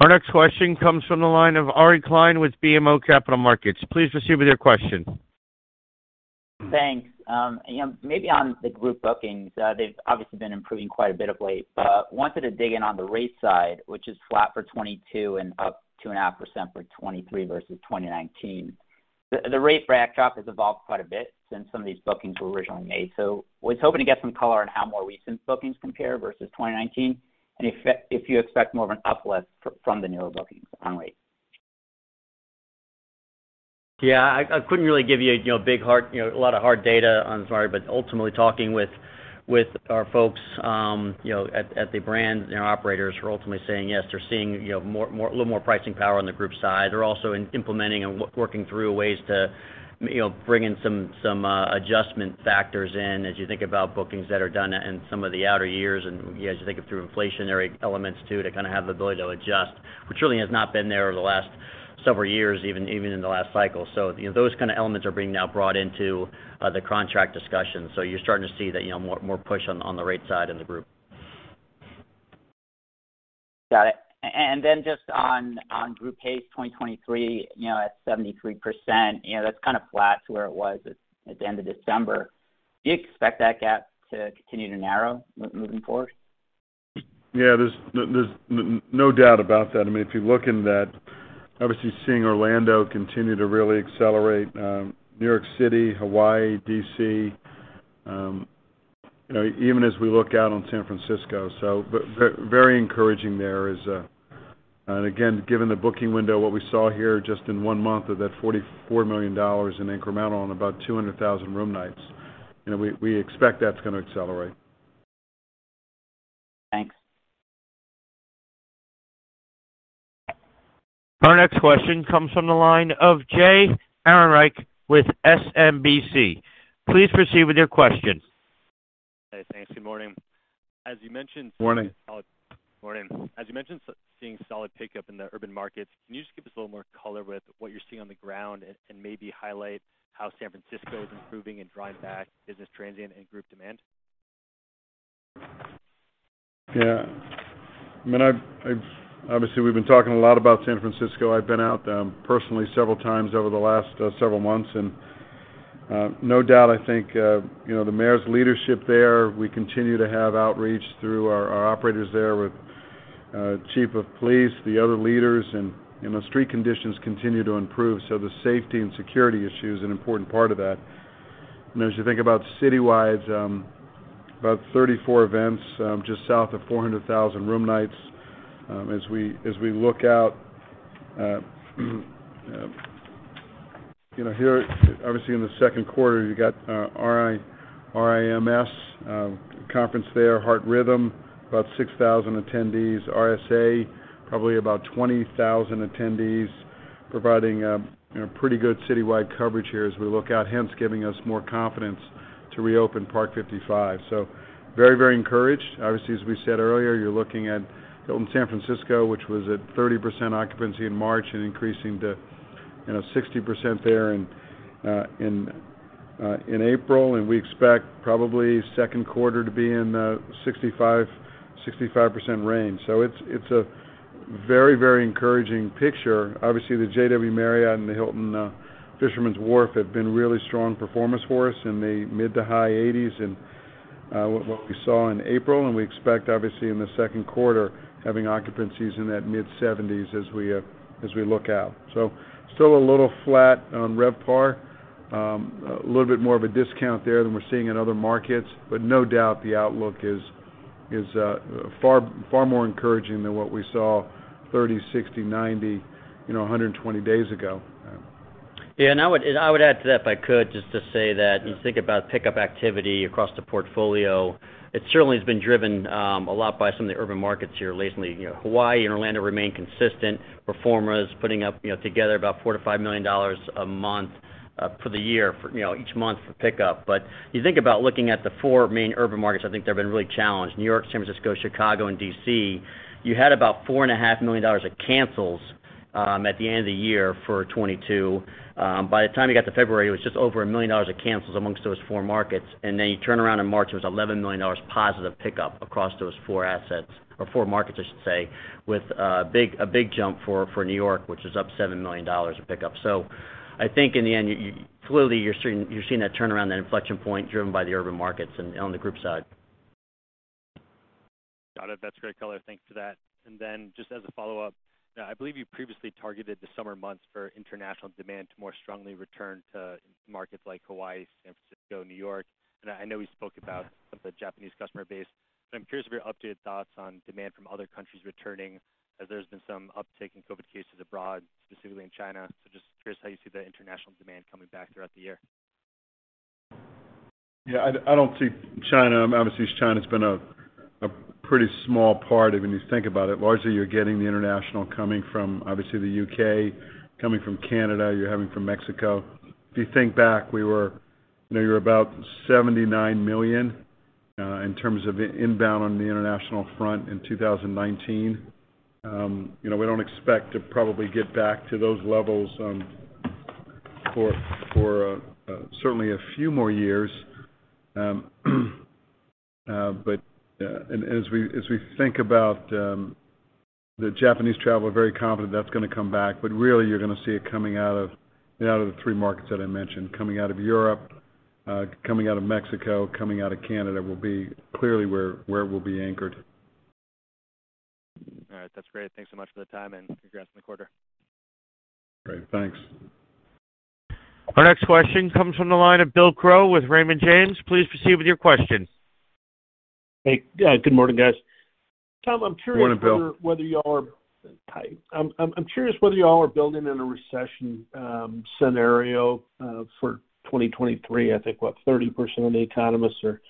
Speaker 1: Our next question comes from the line of Ari Klein with BMO Capital Markets. Please proceed with your question.
Speaker 11: Thanks. You know, maybe on the group bookings, they've obviously been improving quite a bit of late, but wanted to dig in on the rate side, which is flat for 2022 and up 2.5% for 2023 versus 2019. The rate backdrop has evolved quite a bit since some of these bookings were originally made. Was hoping to get some color on how more recent bookings compare versus 2019 and if you expect more of an uplift from the newer bookings on rate.
Speaker 4: Yeah, I couldn't really give you a you know big hard you know a lot of hard data. I'm sorry. Ultimately talking with our folks you know at the brand you know operators who are ultimately saying yes they're seeing you know a little more pricing power on the group side. They're also implementing and working through ways to you know bring in some adjustment factors in as you think about bookings that are done in some of the outer years. As you think through inflationary elements too to kind of have the ability to adjust which really has not been there over the last several years even in the last cycle. Those kind of elements are being now brought into the contract discussion. You're starting to see that, you know, more push on the rate side in the group.
Speaker 11: Got it. Then just on group pace, 2023, you know, at 73%, you know, that's kind of flat to where it was at the end of December. Do you expect that gap to continue to narrow moving forward?
Speaker 3: Yeah, there's no doubt about that. I mean, if you look into that, obviously seeing Orlando continue to really accelerate, New York City, Hawaii, D.C., you know, even as we look out on San Francisco. Very encouraging there is. Again, given the booking window, what we saw here just in one month of that $44 million in incremental on about 200,000 room nights, you know, we expect that's gonna accelerate.
Speaker 11: Thanks.
Speaker 1: Our next question comes from the line of Jay Kornreich with SMBC. Please proceed with your question.
Speaker 12: Hey, thanks. Good morning.
Speaker 3: Morning.
Speaker 12: Morning. As you mentioned, seeing solid pickup in the urban markets, can you just give us a little more color with what you're seeing on the ground and maybe highlight how San Francisco is improving and driving back business transient and group demand?
Speaker 3: Yeah. I mean, I've obviously, we've been talking a lot about San Francisco. I've been out personally several times over the last several months. No doubt, I think you know, the mayor's leadership there, we continue to have outreach through our operators there with chief of police, the other leaders, and you know, street conditions continue to improve. The safety and security issue is an important part of that. As you think about citywide, about 34 events just south of 400,000 room nights. As we look out you know, here, obviously in the Q2, you got RIMS conference there, Heart Rhythm, about 6,000 attendees. RSA, probably about 20,000 attendees, providing you know pretty good citywide coverage here as we look out, hence giving us more confidence to reopen Parc 55. Very, very encouraged. Obviously, as we said earlier, you're looking at Hilton San Francisco, which was at 30% occupancy in March and increasing to, you know, 60% there in April. We expect probably Q2 to be in the 65% range. It's a very, very encouraging picture. Obviously, the JW Marriott and the Hyatt Centric Fisherman's Wharf have been really strong performance for us in the mid- to high 80s in what we saw in April. We expect, obviously, in the Q2, having occupancies in that mid-70s as we look out. Still a little flat on RevPAR. A little bit more of a discount there than we're seeing in other markets, but no doubt the outlook is far more encouraging than what we saw 30, 60, 90, you know, 120 days ago.
Speaker 4: Yeah, I would add to that if I could, just to say that as you think about pickup activity across the portfolio, it certainly has been driven a lot by some of the urban markets here lately. You know, Hawaii and Orlando remain consistent performers, putting up, you know, together about $4 to $5 million a month for the year for, you know, each month for pickup. You think about looking at the four main urban markets, I think they've been really challenged. New York, San Francisco, Chicago, and D.C., you had about $4.5 million of cancels at the end of the year for 2022. By the time you got to February, it was just over $1 million of cancels amongst those four markets. Then you turn around in March, it was $11 million positive pickup across those four assets or four markets, I should say, with a big jump for New York, which is up $7 million of pickup. I think in the end, you clearly, you're seeing that turnaround, that inflection point driven by the urban markets and on the group side.
Speaker 12: Got it. That's great color. Thanks for that. Then just as a follow-up, I believe you previously targeted the summer months for international demand to more strongly return to markets like Hawaii, San Francisco, New York. I know we spoke about the Japanese customer base, but I'm curious about your updated thoughts on demand from other countries returning as there's been some uptick in COVID cases abroad, specifically in China. Just curious how you see the international demand coming back throughout the year.
Speaker 3: Yeah, I don't see China. Obviously, China's been a pretty small part of it when you think about it. Largely, you're getting the international coming from, obviously the U.K., coming from Canada, you're having from Mexico. If you think back, you know, you're about 79 million in terms of inbound on the international front in 2019. You know, we don't expect to probably get back to those levels for certainly a few more years. But and as we think about the Japanese travel, we're very confident that's gonna come back. But really, you're gonna see it coming out of, you know, the three markets that I mentioned. Coming out of Europe, coming out of Mexico, coming out of Canada will be clearly where it will be anchored.
Speaker 12: All right. That's great. Thanks so much for the time and congrats on the quarter.
Speaker 3: Great. Thanks.
Speaker 1: Our next question comes from the line of Bill Crow with Raymond James. Please proceed with your question.
Speaker 13: Hey. Yeah. Good morning, guys.
Speaker 3: Good morning, Bill.
Speaker 13: Tom, I'm curious whether y'all are building in a recession scenario for 2023. I think 30% of the economists are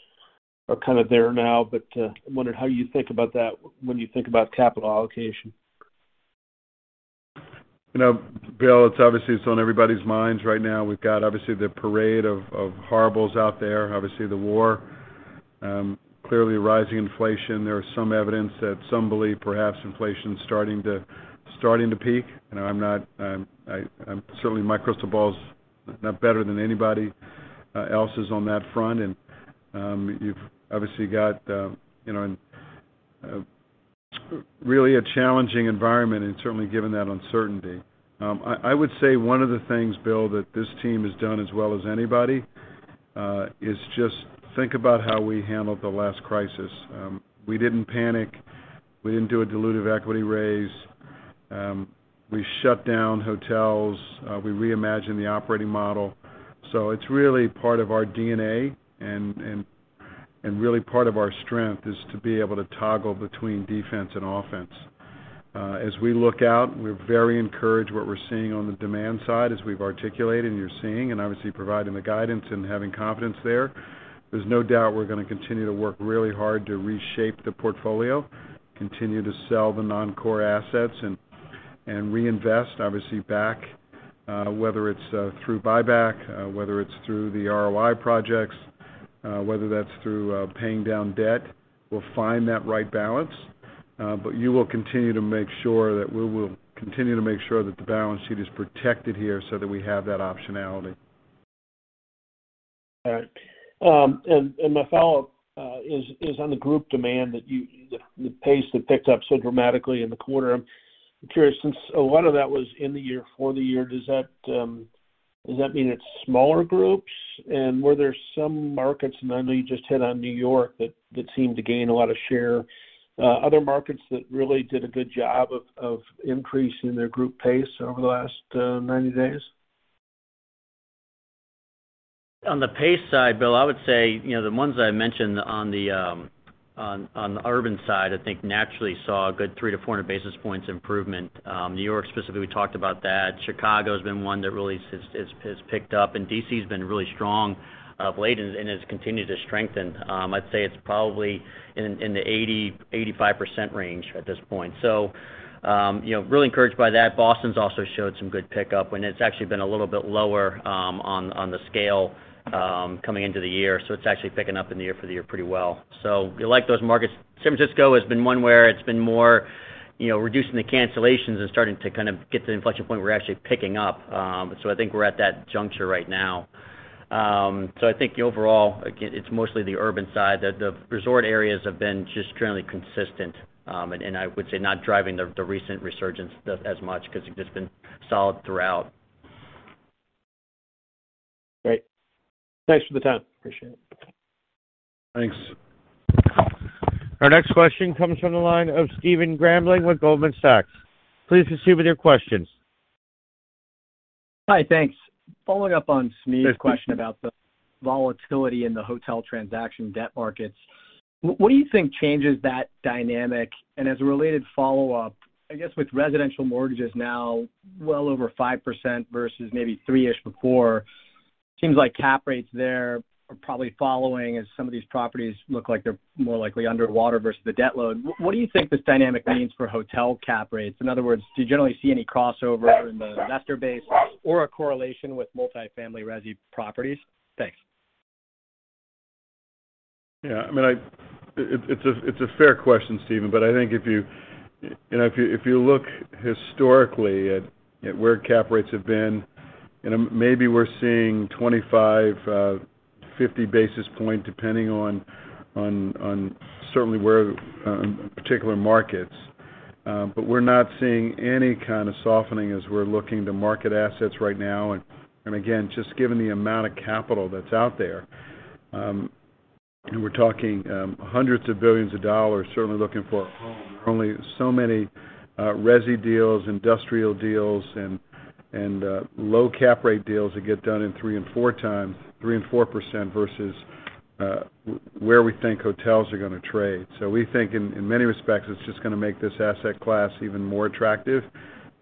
Speaker 13: kind of there now. I'm wondering how you think about that when you think about capital allocation.
Speaker 3: You know, Bill, it's obviously on everybody's minds right now. We've got the parade of horribles out there. The war, clearly rising inflation. There is some evidence that some believe perhaps inflation's starting to peak. You know, certainly my crystal ball is not better than anybody else's on that front. You've obviously got you know really a challenging environment and certainly given that uncertainty. I would say one of the things, Bill, that this team has done as well as anybody is just think about how we handled the last crisis. We didn't panic. We didn't do a dilutive equity raise. We shut down hotels. We reimagined the operating model. It's really part of our DNA and really part of our strength is to be able to toggle between defense and offense. As we look out, we're very encouraged what we're seeing on the demand side as we've articulated and you're seeing, and obviously providing the guidance and having confidence there. There's no doubt we're gonna continue to work really hard to reshape the portfolio, continue to sell the non-core assets and reinvest, obviously back, whether it's through buyback, whether it's through the ROI projects, whether that's through paying down debt. We'll find that right balance. You will continue to make sure that we will continue to make sure that the balance sheet is protected here so that we have that optionality.
Speaker 13: All right. And my follow-up is on the group demand. The pace that picked up so dramatically in the quarter. I'm curious, since a lot of that was year-over-year, does that mean it's smaller groups? Were there some markets, and I know you just hit on New York that seemed to gain a lot of share, other markets that really did a good job of increasing their group pace over the last 90 days?
Speaker 4: On the pace side, Bill, I would say, you know, the ones that I mentioned on the urban side, I think naturally saw a good 300-400 basis points improvement. New York specifically, we talked about that. Chicago's been one that really has picked up, and D.C.'s been really strong of late and has continued to strengthen. I'd say it's probably in the 85% range at this point. You know, really encouraged by that. Boston's also showed some good pickup, and it's actually been a little bit lower on the scale coming into the year. It's actually picking up in the year for the year pretty well. We like those markets. San Francisco has been one where it's been more, you know, reducing the cancellations and starting to kind of get to the inflection point. We're actually picking up. I think we're at that juncture right now. I think overall, again, it's mostly the urban side. The resort areas have been just currently consistent, and I would say not driving the recent resurgence as much because they've just been solid throughout.
Speaker 14: Great. Thanks for the time. Appreciate it.
Speaker 1: Thanks. Our next question comes from the line of Stephen Grambling with Goldman Sachs. Please proceed with your questions.
Speaker 15: Hi. Thanks. Following up on Smedes Rose's question about the volatility in the hotel transaction debt markets, what do you think changes that dynamic? As a related follow-up, I guess with residential mortgages now well over 5% versus maybe 3-ish% before, seems like cap rates there are probably following as some of these properties look like they're more likely underwater versus the debt load. What do you think this dynamic means for hotel cap rates? In other words, do you generally see any crossover in the investor base or a correlation with multifamily resi properties? Thanks.
Speaker 3: Yeah. I mean, it's a fair question, Stephen, but I think if you know, if you look historically at where cap rates have been, and maybe we're seeing 25 to 50 basis points, depending on certain particular markets. But we're not seeing any kind of softening as we're looking to market assets right now. Again, just given the amount of capital that's out there, and we're talking hundreds of billions of dollars certainly looking for a home. There are only so many resi deals, industrial deals and low cap rate deals that get done in 3-4x, 3-4% versus where we think hotels are gonna trade. We think in many respects, it's just gonna make this asset class even more attractive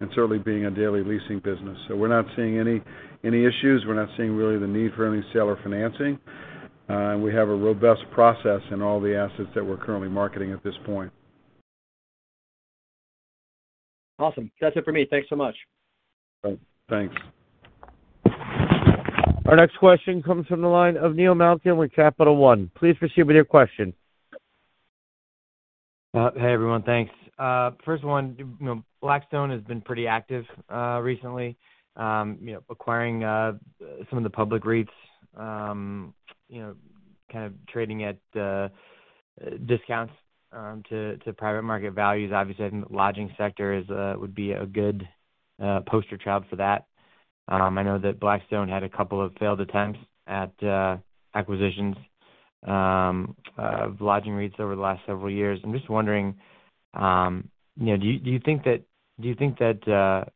Speaker 3: and certainly being a daily leasing business. We're not seeing any issues. We're not seeing really the need for any seller financing. And we have a robust process in all the assets that we're currently marketing at this point.
Speaker 15: Awesome. That's it for me. Thanks so much.
Speaker 1: All right. Thanks. Our next question comes from the line of Neil Malkin with Capital One. Please proceed with your question.
Speaker 16: Hey, everyone. Thanks. First one, you know, Blackstone has been pretty active recently, you know, acquiring some of the public REITs, you know, kind of trading at discounts to private market values. Obviously, I think the lodging sector would be a good poster child for that. I know that Blackstone had a couple of failed attempts at acquisitions of lodging REITs over the last several years. I'm just wondering, you know, do you think that,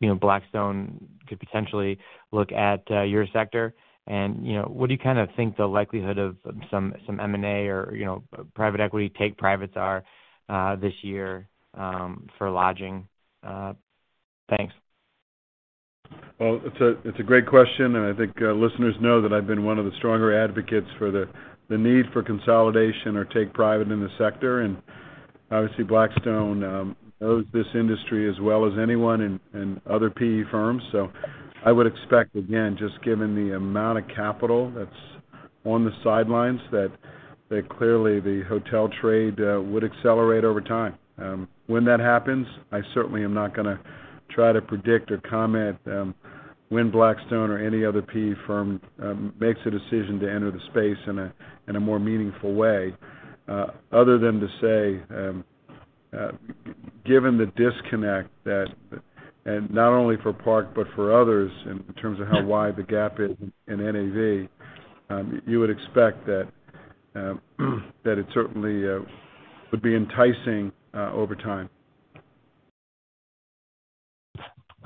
Speaker 16: you know, Blackstone could potentially look at your sector? You know, what do you kinda think the likelihood of some M&A or, you know, private equity take-privates are this year for lodging? Thanks.
Speaker 3: Well, it's a great question, and I think listeners know that I've been one of the stronger advocates for the need for consolidation or take private in the sector. Obviously, Blackstone knows this industry as well as anyone and other PE firms. I would expect, again, just given the amount of capital that's on the sidelines, that clearly the hotel trade would accelerate over time. When that happens, I certainly am not gonna try to predict or comment when Blackstone or any other PE firm makes a decision to enter the space in a more meaningful way, other than to say, given the disconnect that, and not only for Park, but for others in terms of how wide the gap is in NAV, you would expect that it certainly would be enticing over time.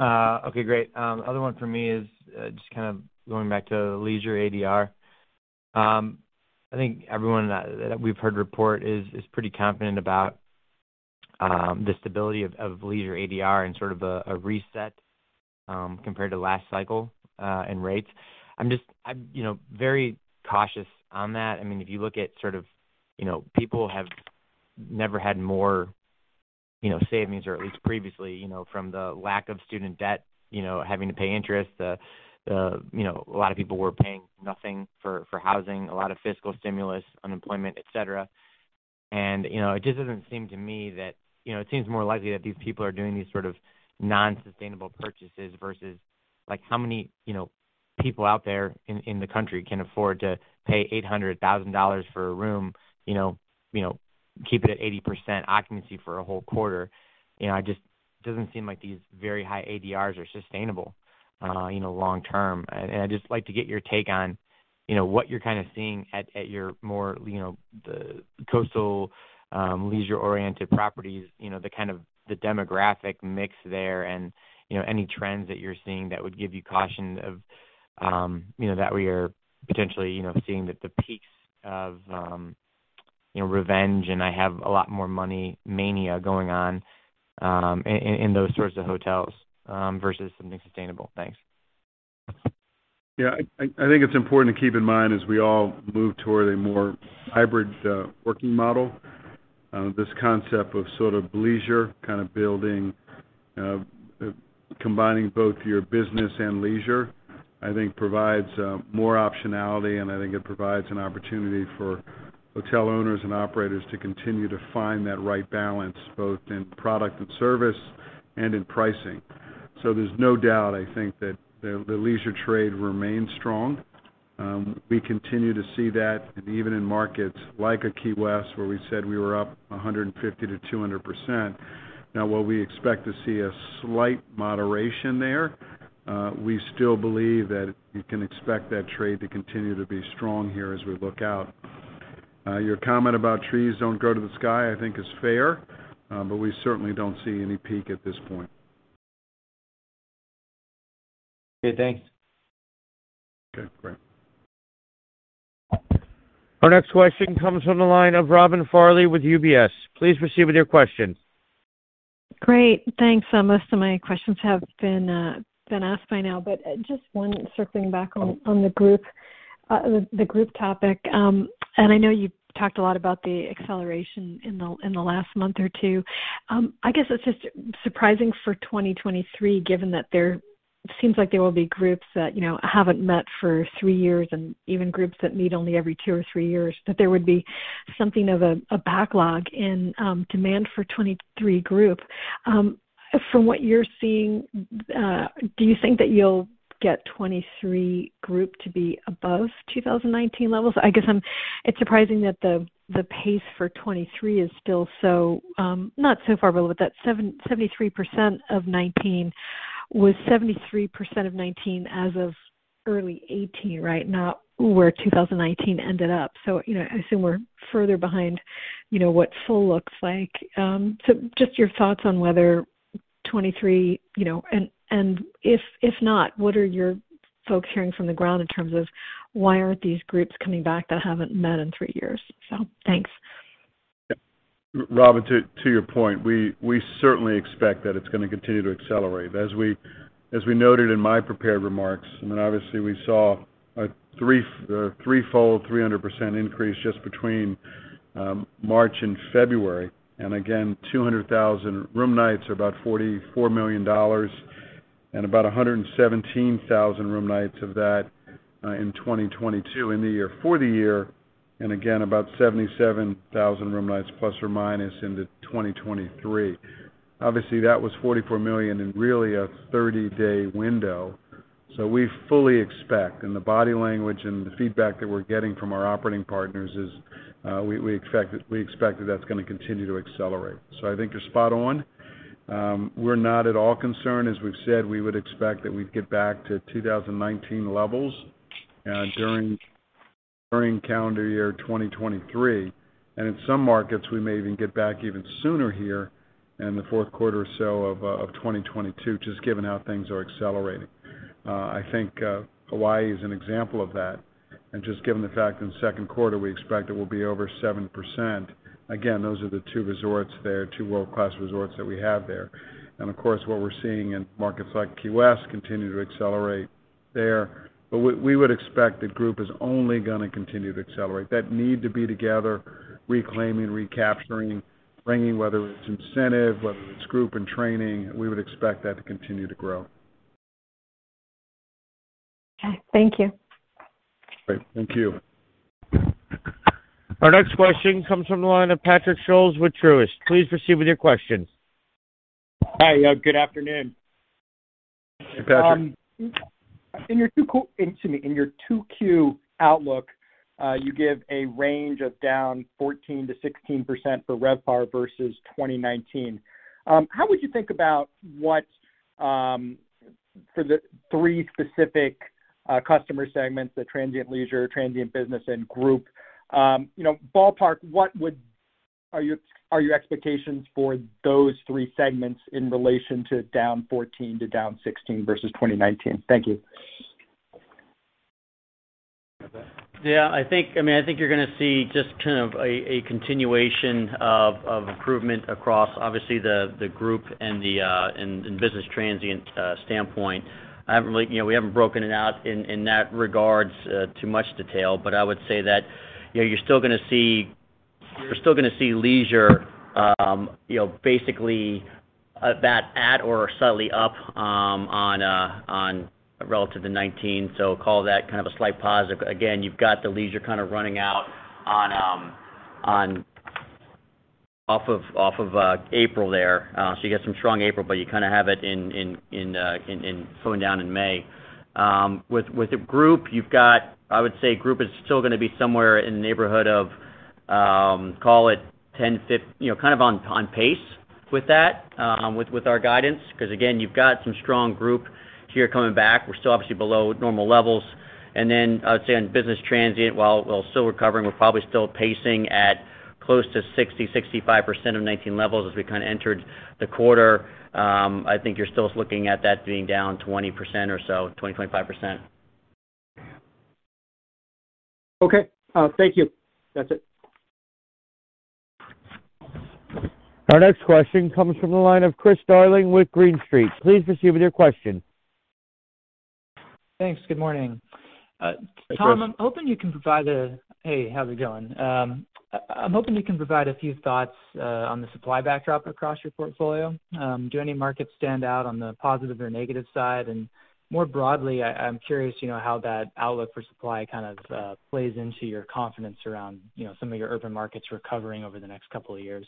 Speaker 16: Okay, great. Other one for me is just kind of going back to leisure ADR. I think everyone that we've heard report is pretty confident about the stability of leisure ADR and sort of a reset compared to last cycle and rates. I'm just, you know, very cautious on that. I mean, if you look at sort of, you know, people have never had more, you know, savings or at least previously, you know, from the lack of student debt, you know, having to pay interest, the, you know, a lot of people were paying nothing for housing, a lot of fiscal stimulus, unemployment, et cetera. You know, it just doesn't seem to me that, you know, it seems more likely that these people are doing these sort of non-sustainable purchases versus, like how many, you know, people out there in the country can afford to pay $800,000 for a room, you know, you know, keep it at 80% occupancy for a whole quarter. You know, it just doesn't seem like these very high ADRs are sustainable, you know, long term. I'd just like to get your take on, you know, what you're kind of seeing at your more, you know, the coastal leisure-oriented properties, you know, the kind of the demographic mix there and, you know, any trends that you're seeing that would give you caution of, you know, that we are potentially, you know, seeing that the peaks of.
Speaker 4: You know, revenge, and I have a lot more money mania going on in those sorts of hotels versus something sustainable. Thanks.
Speaker 3: Yeah. I think it's important to keep in mind as we all move toward a more hybrid working model, this concept of sort of bleisure, combining both your business and leisure. I think it provides more optionality, and I think it provides an opportunity for hotel owners and operators to continue to find that right balance, both in product and service and in pricing. There's no doubt, I think that the leisure trade remains strong. We continue to see that and even in markets like Key West, where we said we were up 150%-200%. Now, while we expect to see a slight moderation there, we still believe that you can expect that trade to continue to be strong here as we look out. Your comment about trees don't grow to the sky, I think is fair. We certainly don't see any peak at this point.
Speaker 4: Okay, thanks.
Speaker 3: Okay, great.
Speaker 1: Our next question comes from the line of Robin Farley with UBS. Please proceed with your question.
Speaker 17: Great. Thanks. Most of my questions have been asked by now, but just one circling back on the group topic. I know you've talked a lot about the acceleration in the last month or two. I guess it's just surprising for 2023, given that it seems like there will be groups that, you know, haven't met for three years and even groups that meet only every two or three years, that there would be something of a backlog in demand for 2023 group. From what you're seeing, do you think that you'll get 2023 group to be above 2019 levels? It's surprising that the pace for 2023 is still so not so far below, but that 73% of 2019 was 73% of 2019 as of early 2018, right? Not where 2019 ended up. You know, I assume we're further behind, you know, what full looks like. Just your thoughts on whether 2023, you know. If not, what are your folks hearing from the ground in terms of why aren't these groups coming back that haven't met in three years? Thanks.
Speaker 3: Robin, to your point, we certainly expect that it's going to continue to accelerate. As we noted in my prepared remarks, I mean, obviously we saw a threefold, 300% increase just between March and February. Again, 200,000 room nights are about $44 million, and about 117,000 room nights of that in 2022 for the year, and again, about 77,000 room nights plus or minus into 2023. Obviously, that was $44 million in really a 30-day window. We fully expect, and the body language and the feedback that we're getting from our operating partners is, we expect that that's going to continue to accelerate. I think you're spot on. We're not at all concerned. As we've said, we would expect that we'd get back to 2019 levels during calendar year 2023. In some markets, we may even get back even sooner here in the Q4 or so of 2022, just given how things are accelerating. I think Hawaii is an example of that. Just given the fact in the Q2, we expect it will be over 7%. Again, those are the two resorts there, two world-class resorts that we have there. Of course, what we're seeing in markets like Key West continue to accelerate there. We would expect the group is only gonna continue to accelerate. That need to be together, reclaiming, recapturing, bringing, whether it's incentive, whether it's group and training, we would expect that to continue to grow.
Speaker 17: Okay. Thank you.
Speaker 3: Great. Thank you.
Speaker 1: Our next question comes from the line of Patrick Scholes with Truist. Please proceed with your question.
Speaker 18: Hi. Good afternoon.
Speaker 3: Hey, Patrick.
Speaker 18: In your 2Q outlook, you give a range of down 14% to 16% for RevPAR versus 2019. How would you think about what, for the three specific customer segments, the transient leisure, transient business and group, you know, ballpark, are your expectations for those three segments in relation to down 14%-16% versus 2019? Thank you.
Speaker 3: You want that?
Speaker 4: Yeah. I think I mean, I think you're gonna see just kind of a continuation of improvement across obviously the group and the business transient standpoint. I haven't really, you know, we haven't broken it out in that regards too much detail, but I would say that, you know, you're still gonna see leisure, you know, basically about at or slightly up on relative to 2019. So call that kind of a slight positive. Again, you've got the leisure kind of running out on off of April there. So you get some strong April, but you kinda have it in slowing down in May. With the group you've got, I would say group is still gonna be somewhere in the neighborhood of, call it 105, you know, kind of on pace with that, with our guidance. 'Cause again, you've got some strong group here coming back. We're still obviously below normal levels. I would say on business transient, while still recovering, we're probably still pacing at close to 60%-65% of 2019 levels as we kind of entered the quarter. I think you're still looking at that being down 20% or so, 20% to 25%.
Speaker 1: Okay. Thank you. That's it. Our next question comes from the line of Chris Darling with Green Street. Please proceed with your question.
Speaker 19: Thanks. Good morning.
Speaker 3: Hey, Chris.
Speaker 19: Tom, hey, how's it going? I'm hoping you can provide a few thoughts on the supply backdrop across your portfolio. Do any markets stand out on the positive or negative side? More broadly, I'm curious, you know, how that outlook for supply kind of plays into your confidence around, you know, some of your urban markets recovering over the next couple of years.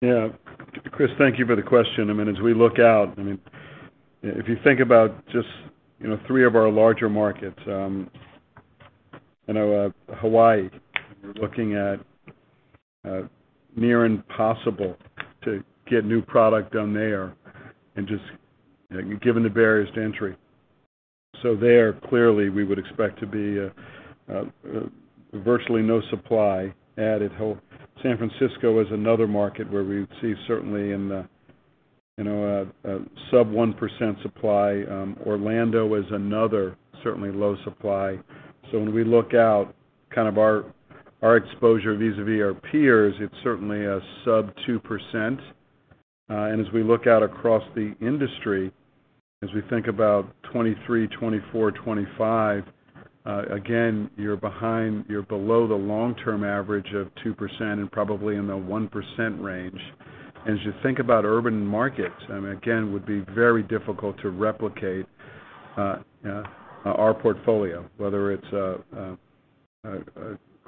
Speaker 3: Yeah. Chris, thank you for the question. I mean, as we look out, I mean, if you think about just, you know, 3 of our larger markets, Hawaii, we're looking at near impossible to get new product done there and just given the barriers to entry. There, clearly, we would expect virtually no supply added. San Francisco is another market where we see certainly in the, you know, a sub-1% supply. Orlando is another certainly low supply. So when we look out kind of our exposure vis-à-vis our peers, it's certainly a sub-2%. As we look out across the industry, as we think about 2023, 2024, 2025, again, you're below the long-term average of 2% and probably in the 1% range. As you think about urban markets, and again, would be very difficult to replicate our portfolio, whether it's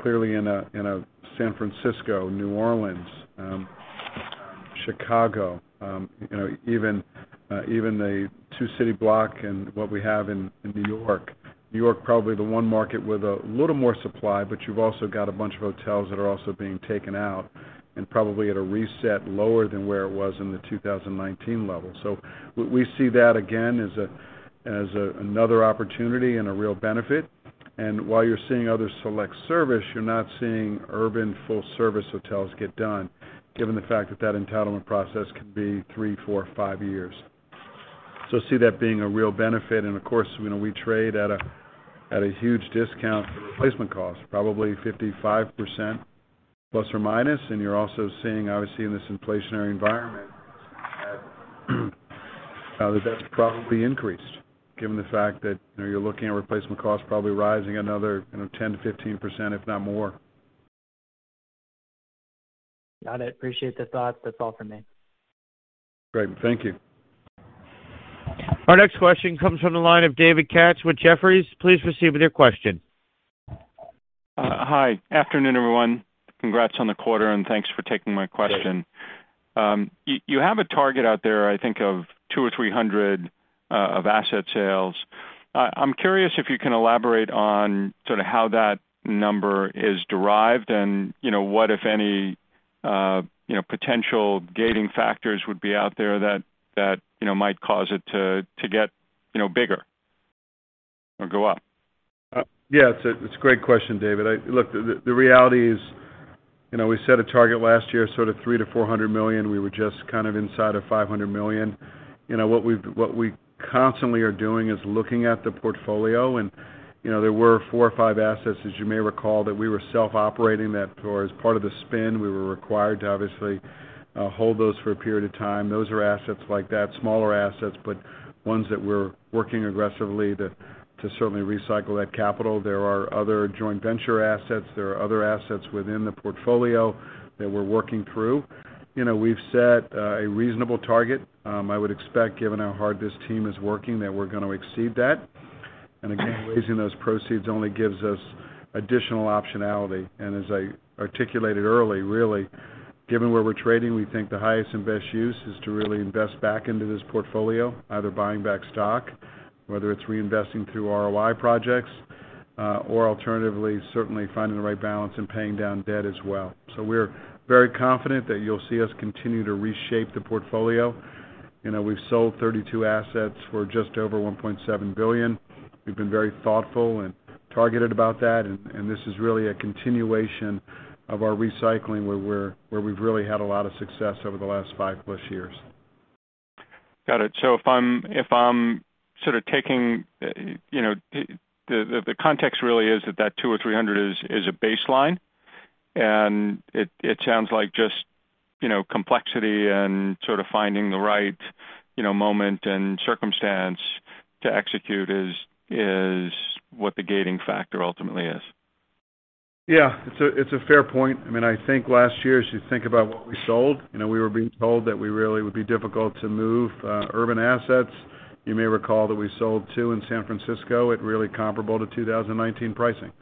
Speaker 3: clearly in a San Francisco, New Orleans, Chicago, you know, even the two city block and what we have in New York. New York, probably the one market with a little more supply, but you've also got a bunch of hotels that are also being taken out and probably at a reset lower than where it was in the 2019 level. We see that again as another opportunity and a real benefit. While you're seeing other select service, you're not seeing urban full service hotels get done, given the fact that that entitlement process could be 3, 4, 5 years. See that being a real benefit. Of course, you know, we trade at a huge discount to replacement cost, probably 55% plus or minus. You're also seeing, obviously, in this inflationary environment, that's probably increased, given the fact that you're looking at replacement costs probably rising another 10%-15%, if not more.
Speaker 19: Got it. Appreciate the thoughts. That's all for me.
Speaker 3: Great. Thank you.
Speaker 1: Our next question comes from the line of David Katz with Jefferies. Please proceed with your question.
Speaker 20: Hi. Afternoon, everyone. Congrats on the quarter, and thanks for taking my question.
Speaker 3: Thanks.
Speaker 20: You have a target out there, I think of 200 to 300 of asset sales. I'm curious if you can elaborate on sort of how that number is derived and, you know, what, if any, you know, potential gating factors would be out there that you know might cause it to get, you know, bigger or go up.
Speaker 3: Yeah, it's a great question, David. Look, the reality is, you know, we set a target last year, sort of $300 million to $400 million. We were just kind of inside of $500 million. You know, what we constantly are doing is looking at the portfolio and, you know, there were four or five assets, as you may recall, that we were self operating or as part of the spin, we were required to obviously hold those for a period of time. Those are assets like that, smaller assets, but ones that we're working aggressively to certainly recycle that capital. There are other joint venture assets. There are other assets within the portfolio that we're working through. You know, we've set a reasonable target. I would expect, given how hard this team is working, that we're gonna exceed that. Again, raising those proceeds only gives us additional optionality. As I articulated early, really, given where we're trading, we think the highest and best use is to really invest back into this portfolio, either buying back stock, whether it's reinvesting through ROI projects, or alternatively, certainly finding the right balance and paying down debt as well. We're very confident that you'll see us continue to reshape the portfolio. You know, we've sold 32 assets for just over $1.7 billion. We've been very thoughtful and targeted about that, and this is really a continuation of our recycling, where we've really had a lot of success over the last 5+ years.
Speaker 20: Got it. If I'm sort of taking, you know, the context really is that 200 or 300 is a baseline. It sounds like just, you know, complexity and sort of finding the right, you know, moment and circumstance to execute is what the gating factor ultimately is.
Speaker 3: Yeah. It's a fair point. I mean, I think last year, as you think about what we sold, you know, we were being told that we really would be difficult to move urban assets. You may recall that we sold 2 in San Francisco at really comparable to 2019 pricing.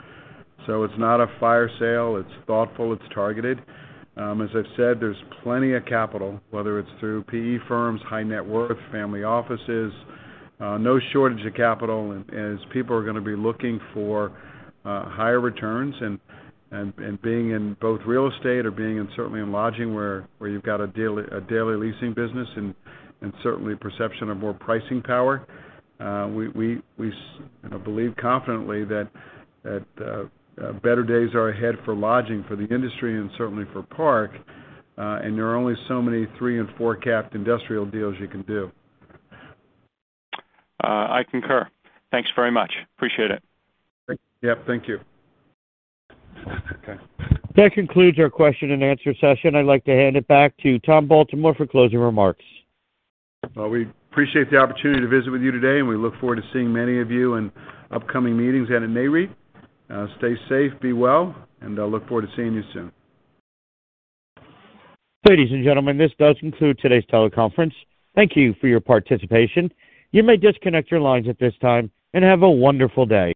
Speaker 3: It's not a fire sale, it's thoughtful, it's targeted. As I've said, there's plenty of capital, whether it's through PE firms, high net worth, family offices, no shortage of capital as people are gonna be looking for higher returns and being in both real estate or being in, certainly in lodging, where you've got a daily leasing business and certainly perception of more pricing power. We, you know, believe confidently that better days are ahead for lodging for the industry and certainly for Park. There are only so many 3- and 4-capped industrial deals you can do.
Speaker 20: I concur. Thanks very much. Appreciate it.
Speaker 3: Great. Yep, thank you.
Speaker 20: Okay.
Speaker 1: That concludes our Q&A. I'd like to hand it back to Tom Baltimore for closing remarks.
Speaker 3: Well, we appreciate the opportunity to visit with you today, and we look forward to seeing many of you in upcoming meetings and at Nareit. Stay safe, be well, and I look forward to seeing you soon.
Speaker 1: Ladies and gentlemen, this does conclude today's teleconference. Thank you for your participation. You may disconnect your lines at this time, and have a wonderful day.